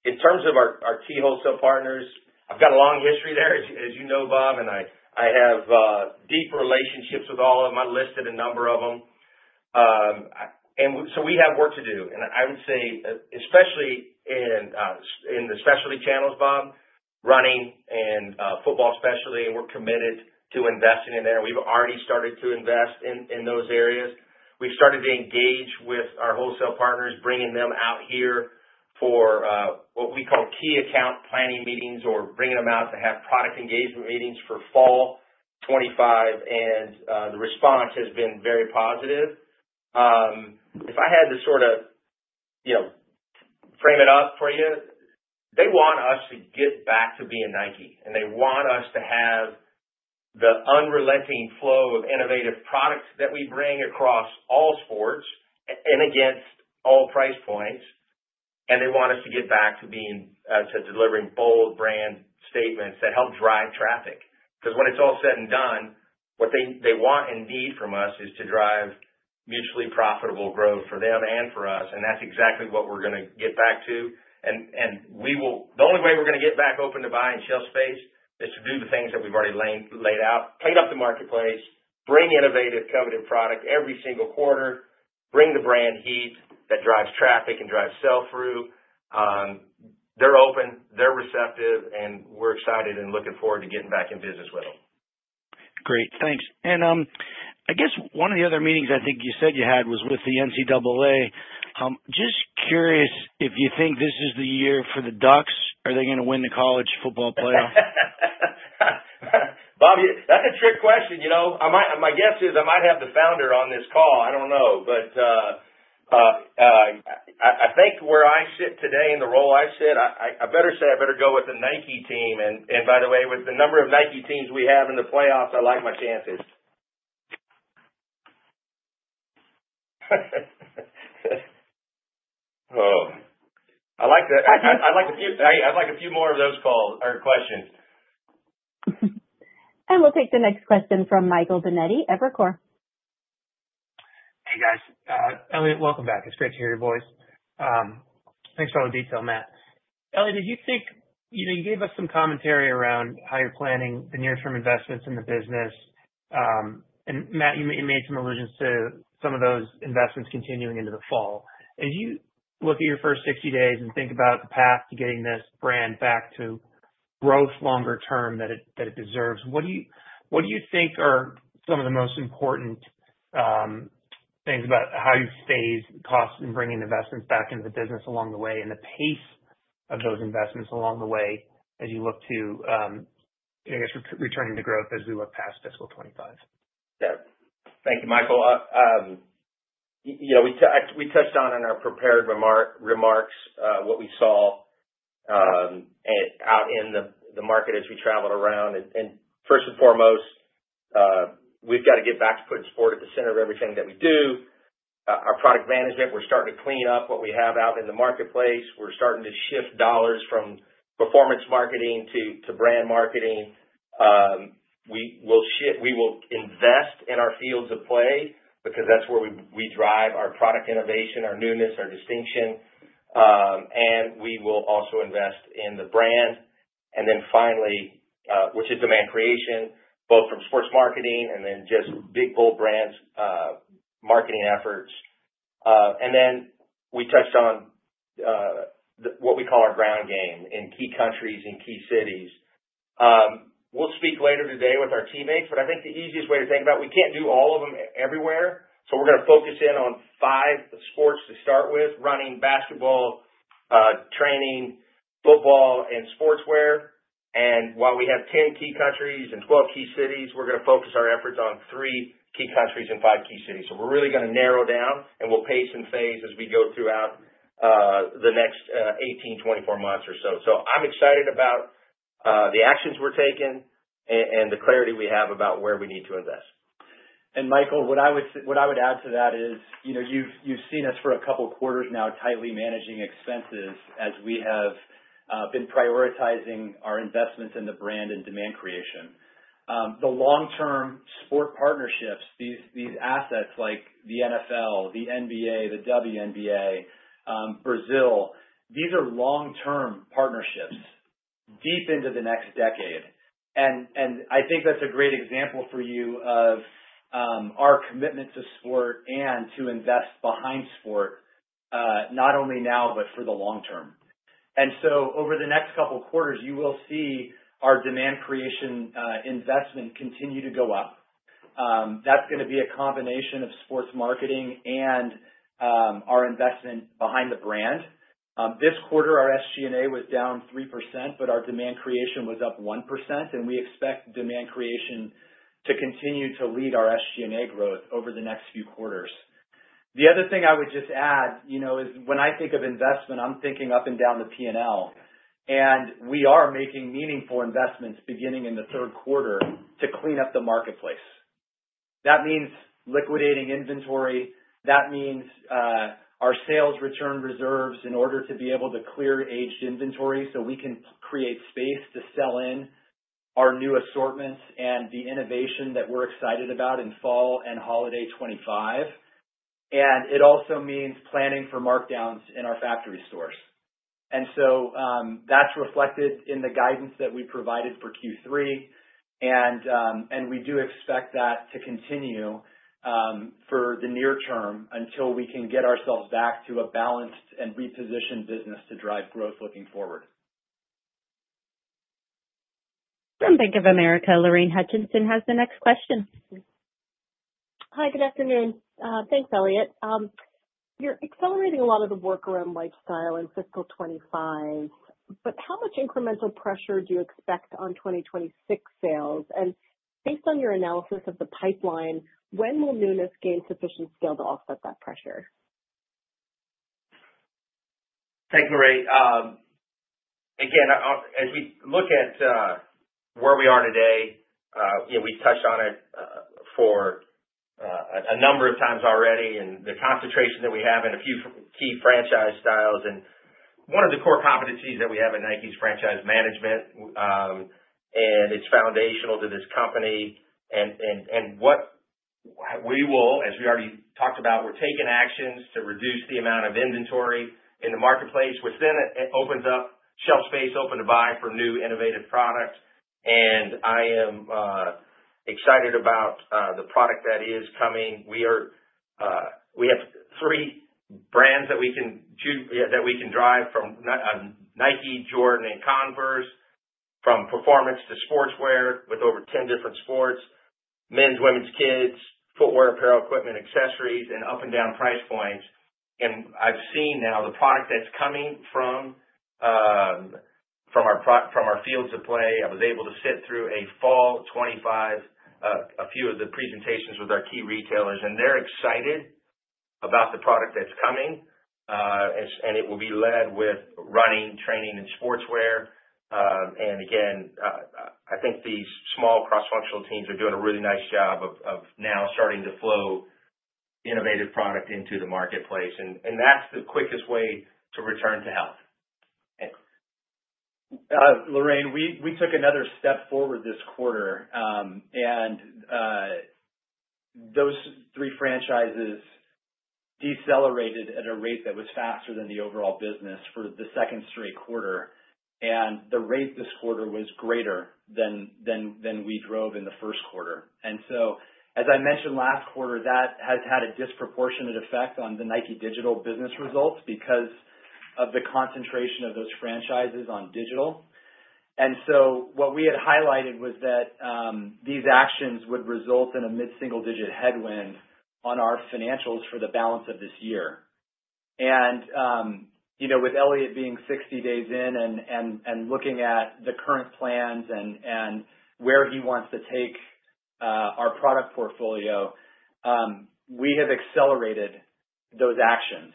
In terms of our key Wholesale partners, I've got a long history there, as you know, Bob, and I have deep relationships with all of them. I've listed a number of them, so we have work to do, and I would say, especially in the specialty channels, Bob, running and football specialty, we're committed to investing in there. We've already started to invest in those areas. We've started to engage with our wholesale partners, bringing them out here for what we call key account planning meetings or bringing them out to have product engagement meetings for fall 2025. And the response has been very positive. If I had to sort of frame it up for you, they want us to get back to being Nike, and they want us to have the unrelenting flow of innovative products that we bring across all sports and against all price points. And they want us to get back to delivering bold brand statements that help drive traffic. Because when it's all said and done, what they want and need from us is to drive mutually profitable growth for them and for us. And that's exactly what we're going to get back to. And the only way we're going to get back open-to-buy shelf space is to do the things that we've already laid out. Paid up the marketplace, bring innovative coveted product every single quarter, bring the brand heat that drives traffic and drives sell-through. They're open, they're receptive, and we're excited and looking forward to getting back in business with them.
Great. Thanks. And I guess one of the other meetings I think you said you had was with the NCAA. Just curious if you think this is the year for the Ducks. Are they going to win the college football playoff?
Bob, that's a trick question. My guess is I might have the founder on this call. I don't know. But I think where I sit today in the role I sit, I better say I better go with the Nike team. And by the way, with the number of Nike teams we have in the playoffs, I like my chances. Oh. I like a few more of those calls or questions.
We'll take the next question from Michael Binetti, Evercore.
Hey, guys. Elliott, welcome back. It's great to hear your voice. Thanks for all the detail, Matt. Elliott, did you think you gave us some commentary around how you're planning the near-term investments in the business? And Matt, you made some allusions to some of those investments continuing into the fall. As you look at your first 60 days and think about the path to getting this brand back to growth longer term that it deserves, what do you think are some of the most important things about how you phase the costs in bringing investments back into the business along the way and the pace of those investments along the way as you look to, I guess, returning to growth as we look past fiscal 2025?
Yeah. Thank you, Michael. We touched on in our prepared remarks what we saw out in the market as we traveled around, and first and foremost, we've got to get back to putting sport at the center of everything that we do. Our product management, we're starting to clean up what we have out in the marketplace. We're starting to shift dollars from performance marketing to brand marketing. We will invest in our Fields of Play because that's where we drive our product innovation, our newness, our distinction, and we will also invest in the brand, and then finally, which is demand creation, both from sports marketing and then just big bold brands marketing efforts. And then we touched on what we call our ground game in key countries and key cities. We'll speak later today with our teammates, but I think the easiest way to think about it, we can't do all of them everywhere. So we're going to focus in on five sports to start with: running, basketball, training, football, and sportswear. And while we have 10 key countries and 12 key cities, we're going to focus our efforts on three key countries and five key cities. So we're really going to narrow down, and we'll pace and phase as we go throughout the next 18-24 months or so. So I'm excited about the actions we're taking and the clarity we have about where we need to invest.
And Michael, what I would add to that is you've seen us for a couple of quarters now tightly managing expenses as we have been prioritizing our investments in the brand and demand creation. The long-term sport partnerships, these assets like the NFL, the NBA, the WNBA, Brazil, these are long-term partnerships deep into the next decade. And I think that's a great example for you of our commitment to sport and to invest behind sport, not only now, but for the long term. And so over the next couple of quarters, you will see our demand creation investment continue to go up. That's going to be a combination of sports marketing and our investment behind the brand. This quarter, our SG&A was down 3%, but our demand creation was up 1%. And we expect demand creation to continue to lead our SG&A growth over the next few quarters. The other thing I would just add is when I think of investment, I'm thinking up and down the P&L, and we are making meaningful investments beginning in the third quarter to clean up the marketplace. That means liquidating inventory. That means our sales return reserves in order to be able to clear aged inventory so we can create space to sell in our new assortments and the innovation that we're excited about in fall and holiday 2025, and it also means planning for markdowns in our factory stores, and so that's reflected in the guidance that we provided for Q3. We do expect that to continue for the near term until we can get ourselves back to a balanced and repositioned business to drive growth looking forward.
From Bank of America, Lorraine Hutchinson has the next question.
Hi, good afternoon. Thanks, Elliott. You're accelerating a lot of the work around lifestyle in fiscal 2025. But how much incremental pressure do you expect on 2026 sales? And based on your analysis of the pipeline, when will newness gain sufficient scale to offset that pressure?
Thanks, Lorraine. Again, as we look at where we are today, we've touched on it a number of times already and the concentration that we have in a few key franchise styles. And one of the core competencies that we have at Nike is franchise management, and it's foundational to this company. And we will, as we already talked about, we're taking actions to reduce the amount of inventory in the marketplace, which then opens up shelf space, open-to-buy for new innovative products. And I am excited about the product that is coming. We have three brands that we can drive from Nike, Jordan, and Converse, from performance to sportswear with over 10 different sports, men's, women's, kids, footwear, apparel, equipment, accessories, and up and down price points. And I've seen now the product that's coming from our Fields of Play. I was able to sit through a fall 2025, a few of the presentations with our key retailers, and they're excited about the product that's coming. And again, I think these small cross-functional teams are doing a really nice job of now starting to flow innovative product into the marketplace. And that's the quickest way to return to health.
Lorraine, we took another step forward this quarter. And those three franchises decelerated at a rate that was faster than the overall business for the second straight quarter. And the rate this quarter was greater than we drove in the first quarter. And so, as I mentioned last quarter, that has had a disproportionate effect on the Nike Digital business results because of the concentration of those franchises on digital. And so what we had highlighted was that these actions would result in a mid-single-digit headwind on our financials for the balance of this year. And with Elliott being 60 days in and looking at the current plans and where he wants to take our product portfolio, we have accelerated those actions.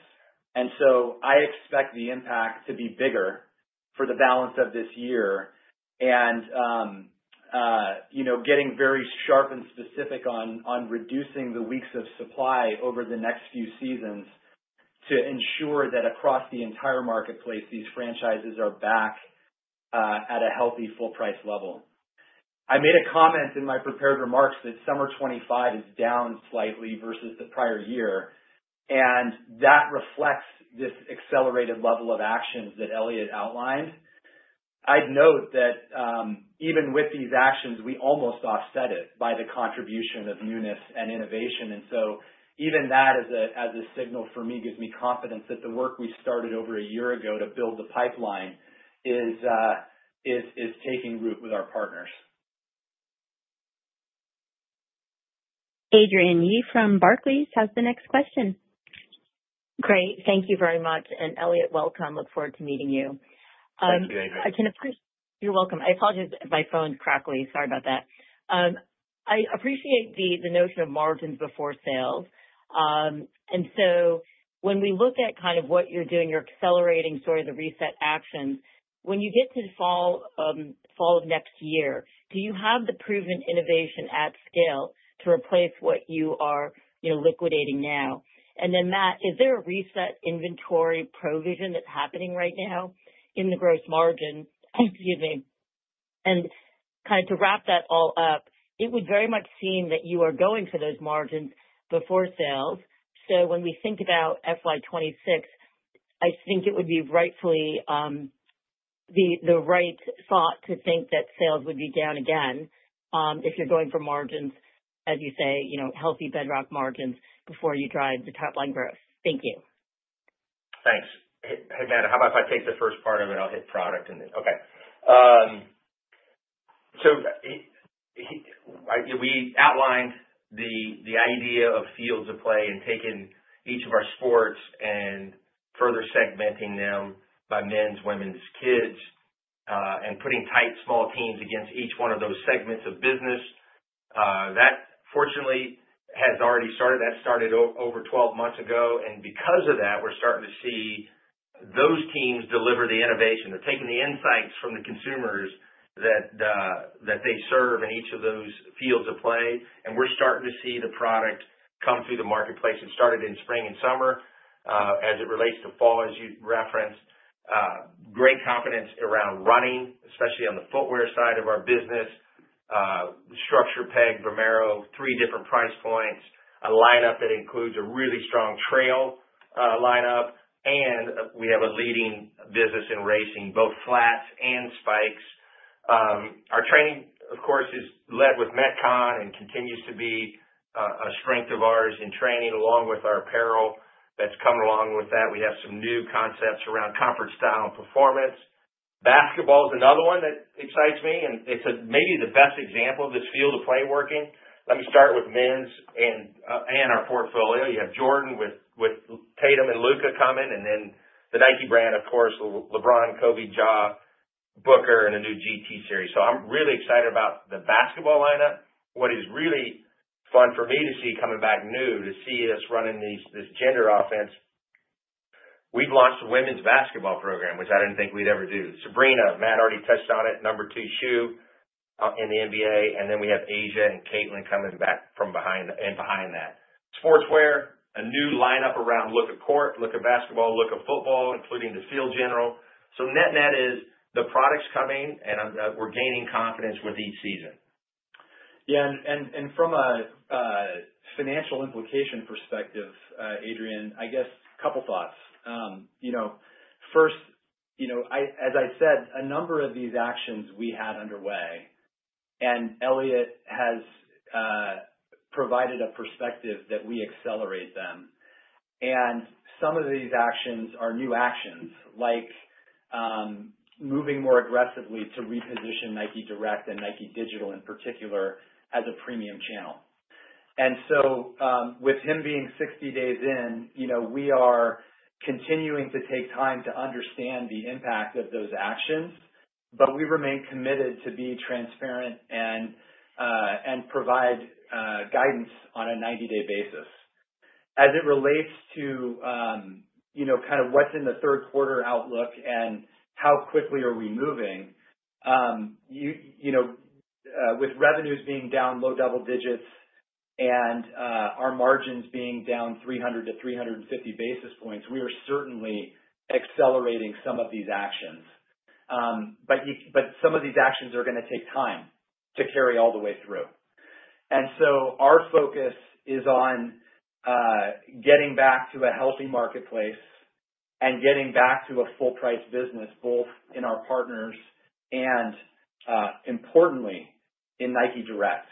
And so I expect the impact to be bigger for the balance of this year. And getting very sharp and specific on reducing the weeks of supply over the next few seasons to ensure that across the entire marketplace, these franchises are back at a healthy full-price level. I made a comment in my prepared remarks that summer 2025 is down slightly versus the prior year. And that reflects this accelerated level of actions that Elliott outlined. I'd note that even with these actions, we almost offset it by the contribution of newness and innovation. And so even that, as a signal for me, gives me confidence that the work we started over a year ago to build the pipeline is taking root with our partners.
Adrienne Yih from Barclays has the next question.
Great. Thank you very much. And Elliott, welcome. Look forward to meeting you.
Thank you, Adrienne.
You're welcome. I apologize if my phone's crackling. Sorry about that. I appreciate the notion of margins before sales. And so when we look at kind of what you're doing, you're accelerating sort of the reset actions. When you get to the fall of next year, do you have the proven innovation at scale to replace what you are liquidating now? And then, Matt, is there a reset inventory provision that's happening right now in the gross margin? Excuse me. And kind of to wrap that all up, it would very much seem that you are going for those margins before sales. So when we think about FY 2026, I think it would be rightfully the right thought to think that sales would be down again if you're going for margins, as you say, healthy bedrock margins before you drive the top-line growth. Thank you.
Thanks. Hey, Matt, how about if I take the first part of it? I'll hit product and then. Okay. So we outlined the idea of Fields of Play and taking each of our sports and further segmenting them by men's, women's, kids, and putting tight small teams against each one of those segments of business. That, fortunately, has already started. That started over 12 months ago. And because of that, we're starting to see those teams deliver the innovation. They're taking the insights from the consumers that they serve in each of those Fields of Play. And we're starting to see the product come through the marketplace. It started in spring and summer as it relates to fall, as you referenced. Great confidence around running, especially on the footwear side of our business. Structure, Peg, Vomero, three different price points. A lineup that includes a really strong trail lineup. And we have a leading business in racing, both flats and spikes. Our training, of course, is led with Metcon and continues to be a strength of ours in training along with our apparel that's come along with that. We have some new concepts around comfort, style, and performance. Basketball is another one that excites me. And it's maybe the best example of this Fields of Play working. Let me start with men's and our portfolio. You have Jordan with Tatum and Luka coming. And then the Nike brand, of course, LeBron, Kobe, Ja, Booker, and a new GT series. So I'm really excited about the basketball lineup. What is really fun for me to see coming back is to see us running this gender offense. We've launched a women's basketball program, which I didn't think we'd ever do. Sabrina, Matt already touched on it. Number two shoe in the NBA, and then we have A'ja and Caitlin coming back from behind that. Sportswear, a new lineup around look at court, look at basketball, look at football, including the Field General. Net-net, the product's coming, and we're gaining confidence with each season.
Yeah. And from a financial implication perspective, Adrienne, I guess a couple of thoughts. First, as I said, a number of these actions we had underway, and Elliott has provided a perspective that we accelerate them. And some of these actions are new actions, like moving more aggressively to reposition Nike Direct and Nike Digital in particular as a premium channel. And so with him being 60 days in, we are continuing to take time to understand the impact of those actions, but we remain committed to be transparent and provide guidance on a 90-day basis. As it relates to kind of what's in the third quarter outlook and how quickly are we moving, with revenues being down low double digits and our margins being down 300-350 basis points, we are certainly accelerating some of these actions. But some of these actions are going to take time to carry all the way through. And so our focus is on getting back to a healthy marketplace and getting back to a full-price business, both in our partners and, importantly, in Nike Direct,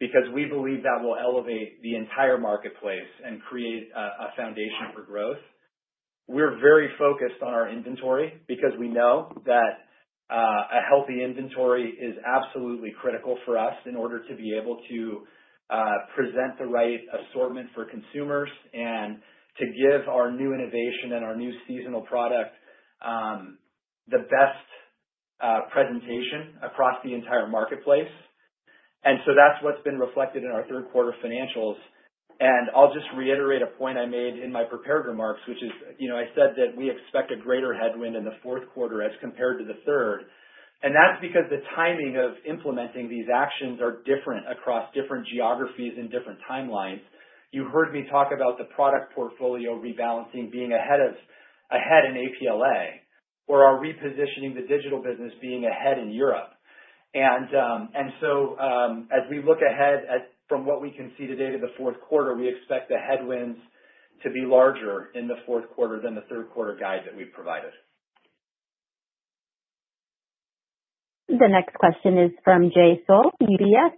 because we believe that will elevate the entire marketplace and create a foundation for growth. We're very focused on our inventory because we know that a healthy inventory is absolutely critical for us in order to be able to present the right assortment for consumers and to give our new innovation and our new seasonal product the best presentation across the entire marketplace. And so that's what's been reflected in our third quarter financials. And I'll just reiterate a point I made in my prepared remarks, which is I said that we expect a greater headwind in the fourth quarter as compared to the third. That's because the timing of implementing these actions are different across different geographies and different timelines. You heard me talk about the product portfolio rebalancing being ahead in APLA, or our repositioning the digital business being ahead in Europe. So as we look ahead from what we can see today to the fourth quarter, we expect the headwinds to be larger in the fourth quarter than the third quarter guide that we've provided.
The next question is from Jay Sole, UBS.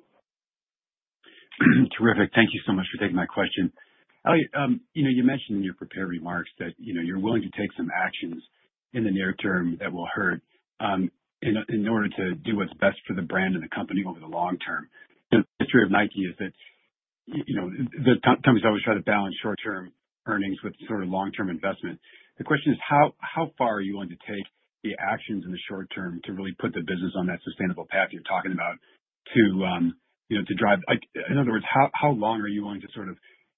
Terrific. Thank you so much for taking my question. Elliott, you mentioned in your prepared remarks that you're willing to take some actions in the near term that will hurt in order to do what's best for the brand and the company over the long term. The history of Nike is that the companies always try to balance short-term earnings with sort of long-term investment. The question is, how far are you willing to take the actions in the short term to really put the business on that sustainable path you're talking about to drive? In other words, how long are you willing to sort of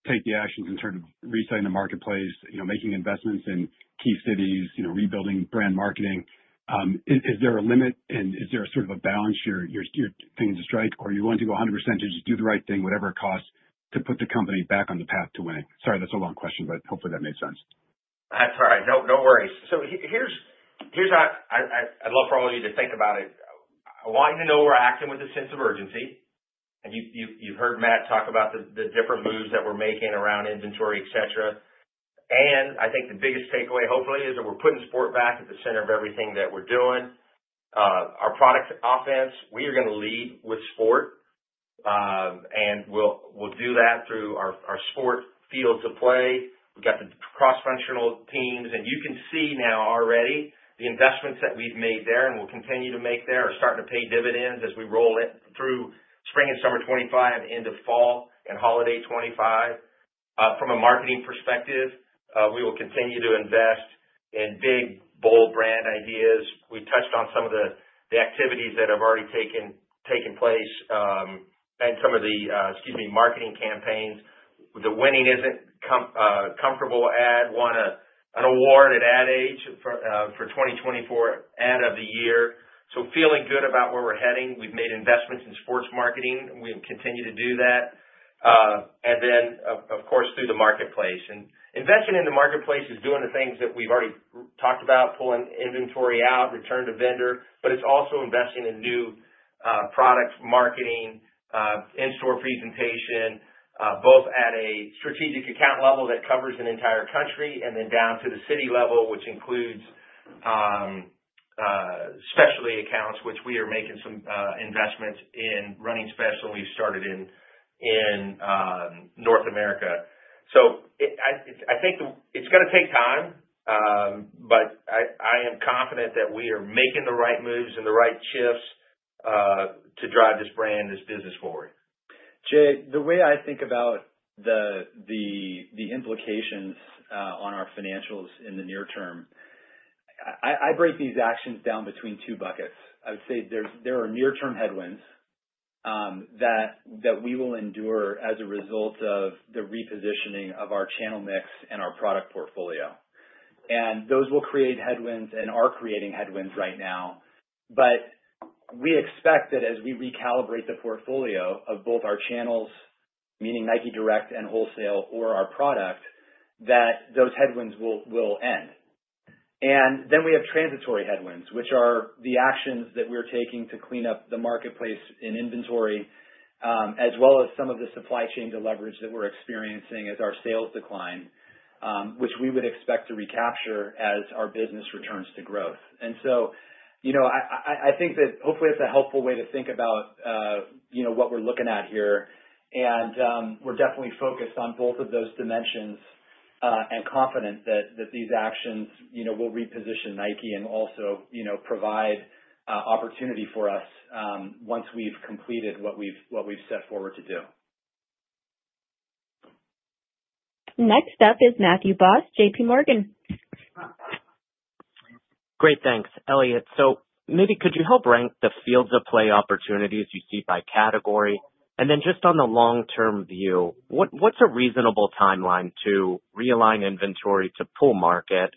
take the actions in terms of resetting the marketplace, making investments in key cities, rebuilding brand marketing? Is there a limit, and is there sort of a balance you're thinking to strike, or are you willing to go 100% to just do the right thing, whatever it costs, to put the company back on the path to winning? Sorry, that's a long question, but hopefully that made sense.
That's all right. No worries. So here's how I'd love for all of you to think about it. I want you to know we're acting with a sense of urgency. And you've heard Matt talk about the different moves that we're making around inventory, etc. And I think the biggest takeaway, hopefully, is that we're putting sport back at the center of everything that we're doing. Our product offense, we are going to lead with sport, and we'll do that through our sport Fields of Play. We've got the cross-functional teams. And you can see now already the investments that we've made there and will continue to make there are starting to pay dividends as we roll through spring and summer 2025 into fall and holiday 2025. From a marketing perspective, we will continue to invest in big, bold brand ideas. We touched on some of the activities that have already taken place and some of the, excuse me, marketing campaigns. The Winning Isn't Comfortable ad. We won an award at Ad Age for 2024, Ad of the Year, so feeling good about where we're heading. We've made investments in sports marketing. We continue to do that, and then, of course, through the marketplace, and investing in the marketplace is doing the things that we've already talked about, pulling inventory out, return to vendor, but it's also investing in new product marketing, in-store presentation, both at a strategic account level that covers an entire country and then down to the city level, which includes specialty accounts, which we are making some investments in running specialty. We've started in North America. I think it's going to take time, but I am confident that we are making the right moves and the right shifts to drive this brand, this business forward.
Jay, the way I think about the implications on our financials in the near term, I break these actions down between two buckets. I would say there are near-term headwinds that we will endure as a result of the repositioning of our channel mix and our product portfolio, and those will create headwinds and are creating headwinds right now, but we expect that as we recalibrate the portfolio of both our channels, meaning Nike Direct and wholesale or our product, that those headwinds will end, and then we have transitory headwinds, which are the actions that we're taking to clean up the marketplace in inventory, as well as some of the supply chain deleverage that we're experiencing as our sales decline, which we would expect to recapture as our business returns to growth. So I think that hopefully it's a helpful way to think about what we're looking at here. We're definitely focused on both of those dimensions and confident that these actions will reposition Nike and also provide opportunity for us once we've completed what we've set forward to do.
Next up is Matthew Boss, JPMorgan.
Great. Thanks. Elliott, so maybe could you help rank the Fields of Play opportunities you see by category? And then just on the long-term view, what's a reasonable timeline to realign inventory to pull market,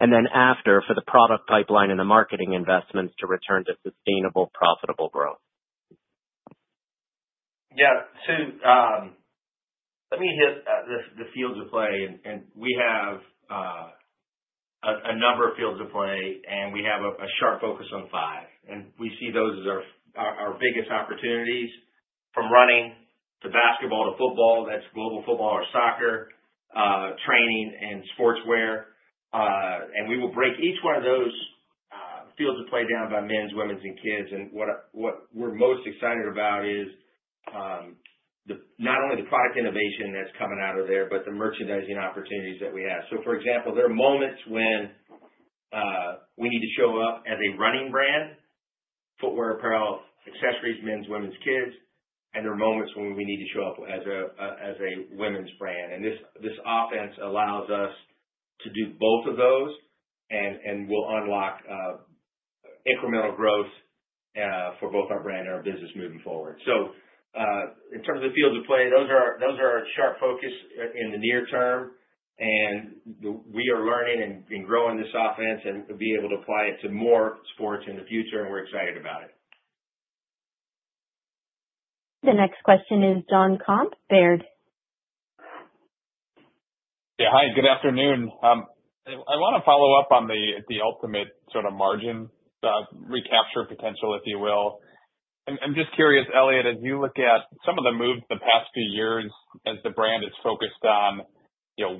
and then after, for the product pipeline and the marketing investments to return to sustainable, profitable growth?
Yeah. So let me hit the Fields of Play. And we have a number of Fields of Play, and we have a sharp focus on five. And we see those as our biggest opportunities from running to basketball to football. That's global football or soccer, training, and sportswear. And we will break each one of those Fields of Play down by men's, women's, and kids. And what we're most excited about is not only the product innovation that's coming out of there, but the merchandising opportunities that we have. So, for example, there are moments when we need to show up as a running brand, footwear, apparel, accessories, men's, women's, kids, and there are moments when we need to show up as a women's brand. And this offense allows us to do both of those, and we'll unlock incremental growth for both our brand and our business moving forward. So in terms of the Fields of Play, those are our sharp focus in the near term. And we are learning and growing this offense and be able to apply it to more sports in the future, and we're excited about it.
The next question is Jonathan Komp, Baird.
Yeah. Hi. Good afternoon. I want to follow up on the ultimate sort of margin recapture potential, if you will. I'm just curious, Elliott, as you look at some of the moves the past few years as the brand is focused on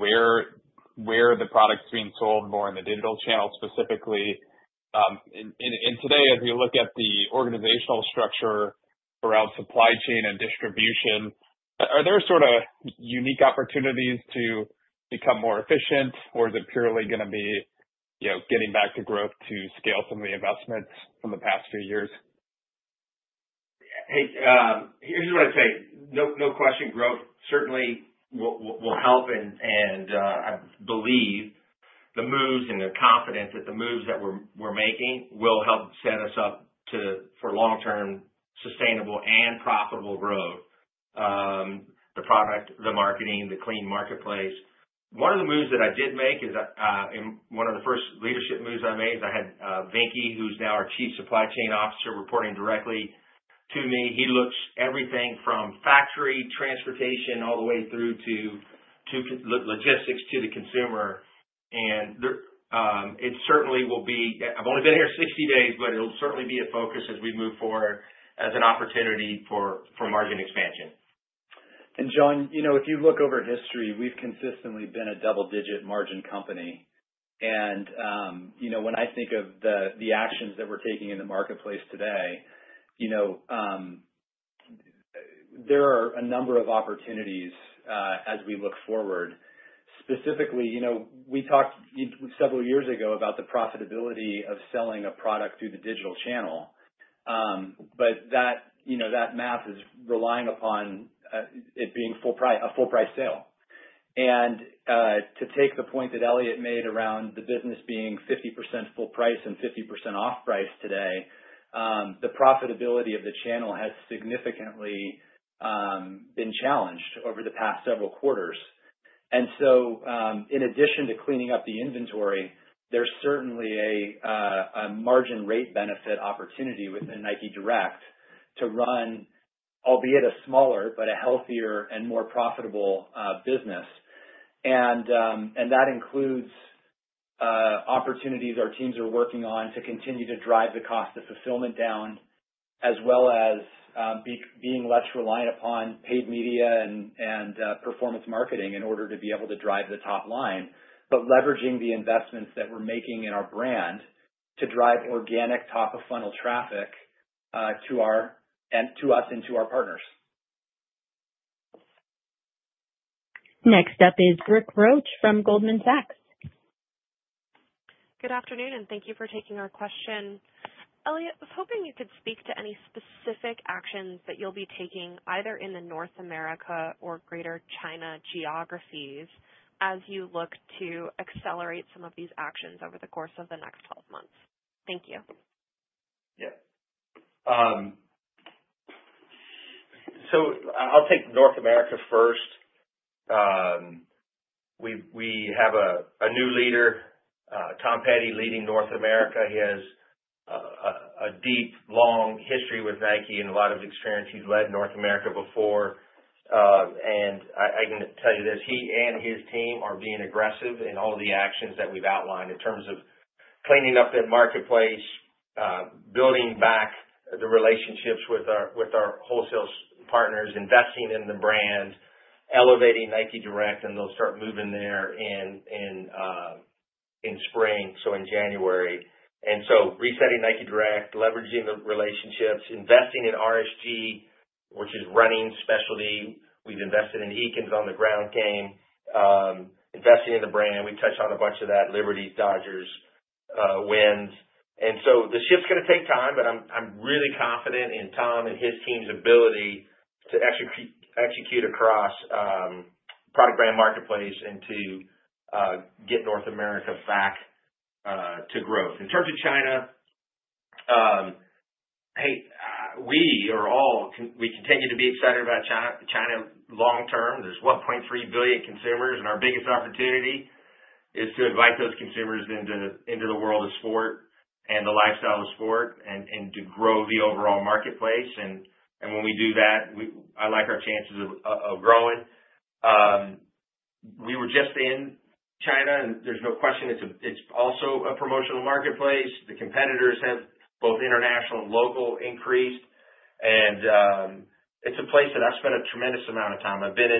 where the product's being sold more in the digital channel specifically, and today, as you look at the organizational structure around supply chain and distribution, are there sort of unique opportunities to become more efficient, or is it purely going to be getting back to growth to scale some of the investments from the past few years?
Here's what I'd say. No question. Growth certainly will help. And I believe the moves and the confidence that the moves that we're making will help set us up for long-term sustainable and profitable growth, the product, the marketing, the clean marketplace. One of the moves that I did make is one of the first leadership moves I made is I had Venky, who's now our Chief Supply Chain Officer, reporting directly to me. He looks everything from factory, transportation, all the way through to logistics to the consumer. And it certainly will be. I've only been here 60 days, but it'll certainly be a focus as we move forward as an opportunity for margin expansion.
And John, if you look over history, we've consistently been a double-digit margin company. And when I think of the actions that we're taking in the marketplace today, there are a number of opportunities as we look forward. Specifically, we talked several years ago about the profitability of selling a product through the digital channel, but that math is relying upon it being a full-price sale. And to take the point that Elliott made around the business being 50% full price and 50% off price today, the profitability of the channel has significantly been challenged over the past several quarters. And so in addition to cleaning up the inventory, there's certainly a margin rate benefit opportunity within Nike Direct to run, albeit a smaller, but a healthier and more profitable business. That includes opportunities our teams are working on to continue to drive the cost of fulfillment down, as well as being less reliant upon paid media and performance marketing in order to be able to drive the top line, but leveraging the investments that we're making in our brand to drive organic top-of-funnel traffic to us and to our partners.
Next up is Brooke Roach from Goldman Sachs.
Good afternoon, and thank you for taking our question. Elliott, I was hoping you could speak to any specific actions that you'll be taking either in the North America or Greater China geographies as you look to accelerate some of these actions over the course of the next 12 months. Thank you.
Yep. So I'll take North America first. We have a new leader, Tom Peddie, leading North America. He has a deep, long history with Nike and a lot of experience. He's led North America before. And I can tell you this. He and his team are being aggressive in all of the actions that we've outlined in terms of cleaning up that marketplace, building back the relationships with our wholesale partners, investing in the brand, elevating Nike Direct, and they'll start moving there in spring, so in January. And so resetting Nike Direct, leveraging the relationships, investing in RSG, which is running specialty. We've invested in EKINs on the ground game, investing in the brand. We touched on a bunch of that: Liberty, Dodgers, wins. And so the shift's going to take time, but I'm really confident in Tom and his team's ability to execute across product, brand, marketplace, and to get North America back to growth. In terms of China, hey, we continue to be excited about China long-term. There's 1.3 billion consumers, and our biggest opportunity is to invite those consumers into the world of sport and the lifestyle of sport and to grow the overall marketplace. And when we do that, I like our chances of growing. We were just in China, and there's no question it's also a promotional marketplace. The competitors have both international and local increased. And it's a place that I've spent a tremendous amount of time. I've been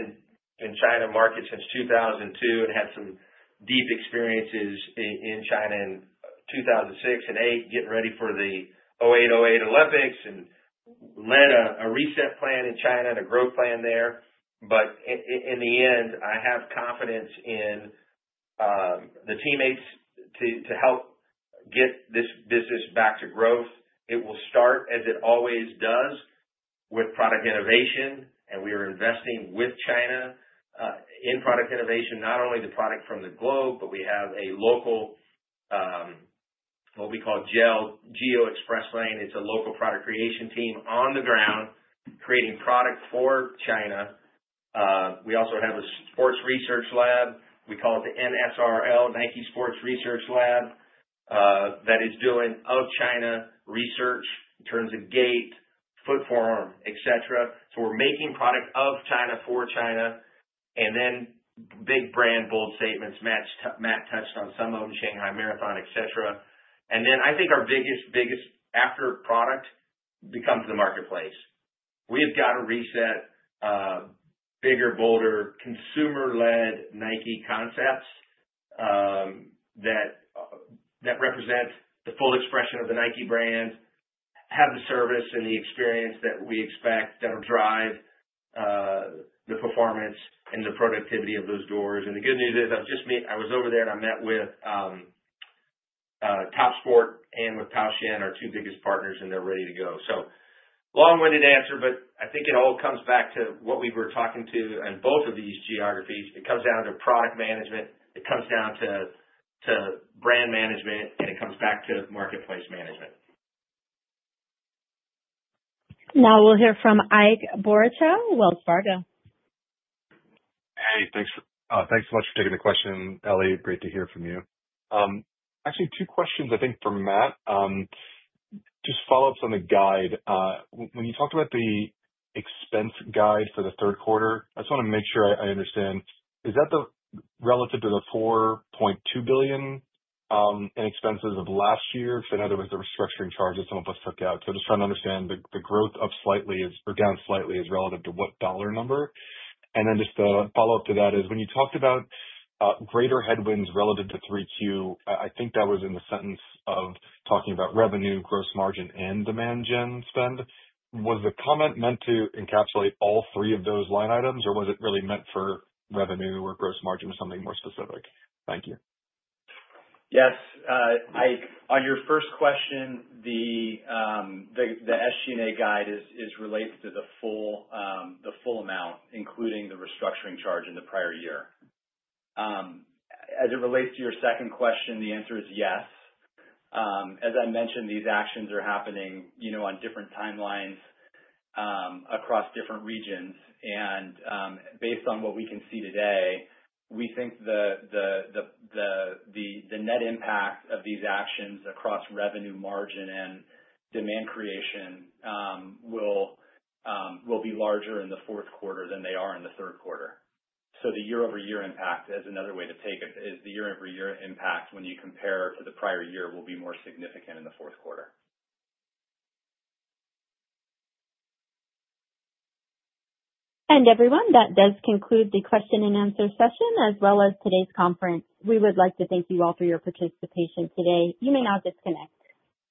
in China market since 2002 and had some deep experiences in China in 2006 and 2008, getting ready for the 2008 Olympics, and led a reset plan in China and a growth plan there, but in the end, I have confidence in the teammates to help get this business back to growth. It will start, as it always does, with product innovation, and we are investing with China in product innovation, not only the product from the globe, but we have a local, what we call, Geo Express Lane. It's a local product creation team on the ground creating product for China. We also have a sports research lab. We call it the NSRL, Nike Sports Research Lab, that is doing China research in terms of gait, foot form, etc., so we're making product of China for China, and then big brand bold statements. Matt touched on some of them, Shanghai Marathon, etc. And then I think our biggest, biggest after product becomes the marketplace. We have got to reset bigger, bolder, consumer-led Nike concepts that represent the full expression of the Nike brand, have the service and the experience that we expect that will drive the performance and the productivity of those doors. And the good news is I was over there, and I met with Topsports and with Pou Sheng, our two biggest partners, and they're ready to go. So long-winded answer, but I think it all comes back to what we were talking to in both of these geographies. It comes down to product management. It comes down to brand management, and it comes back to marketplace management.
Now we'll hear from Ike Boruchow, Wells Fargo.
Hey, thanks so much for taking the question, Elliott. Great to hear from you. Actually, two questions, I think, for Matt. Just follow-ups on the guide. When you talked about the expense guide for the third quarter, I just want to make sure I understand. Is that relative to the $4.2 billion in expenses of last year? So in other words, the restructuring charges some of us took out. So just trying to understand the growth up slightly or down slightly is relative to what dollar number. And then just the follow-up to that is when you talked about greater headwinds relative to 3Q, I think that was in the sentence of talking about revenue, gross margin, and demand gen spend. Was the comment meant to encapsulate all three of those line items, or was it really meant for revenue or gross margin or something more specific? Thank you.
Yes. On your first question, the SG&A guide is related to the full amount, including the restructuring charge in the prior year. As it relates to your second question, the answer is yes. As I mentioned, these actions are happening on different timelines across different regions, and based on what we can see today, we think the net impact of these actions across revenue, margin, and demand creation will be larger in the fourth quarter than they are in the third quarter, so the year-over-year impact, as another way to take it, is the year-over-year impact when you compare to the prior year, will be more significant in the fourth quarter.
And everyone, that does conclude the question-and-answer session as well as today's conference. We would like to thank you all for your participation today. You may now disconnect.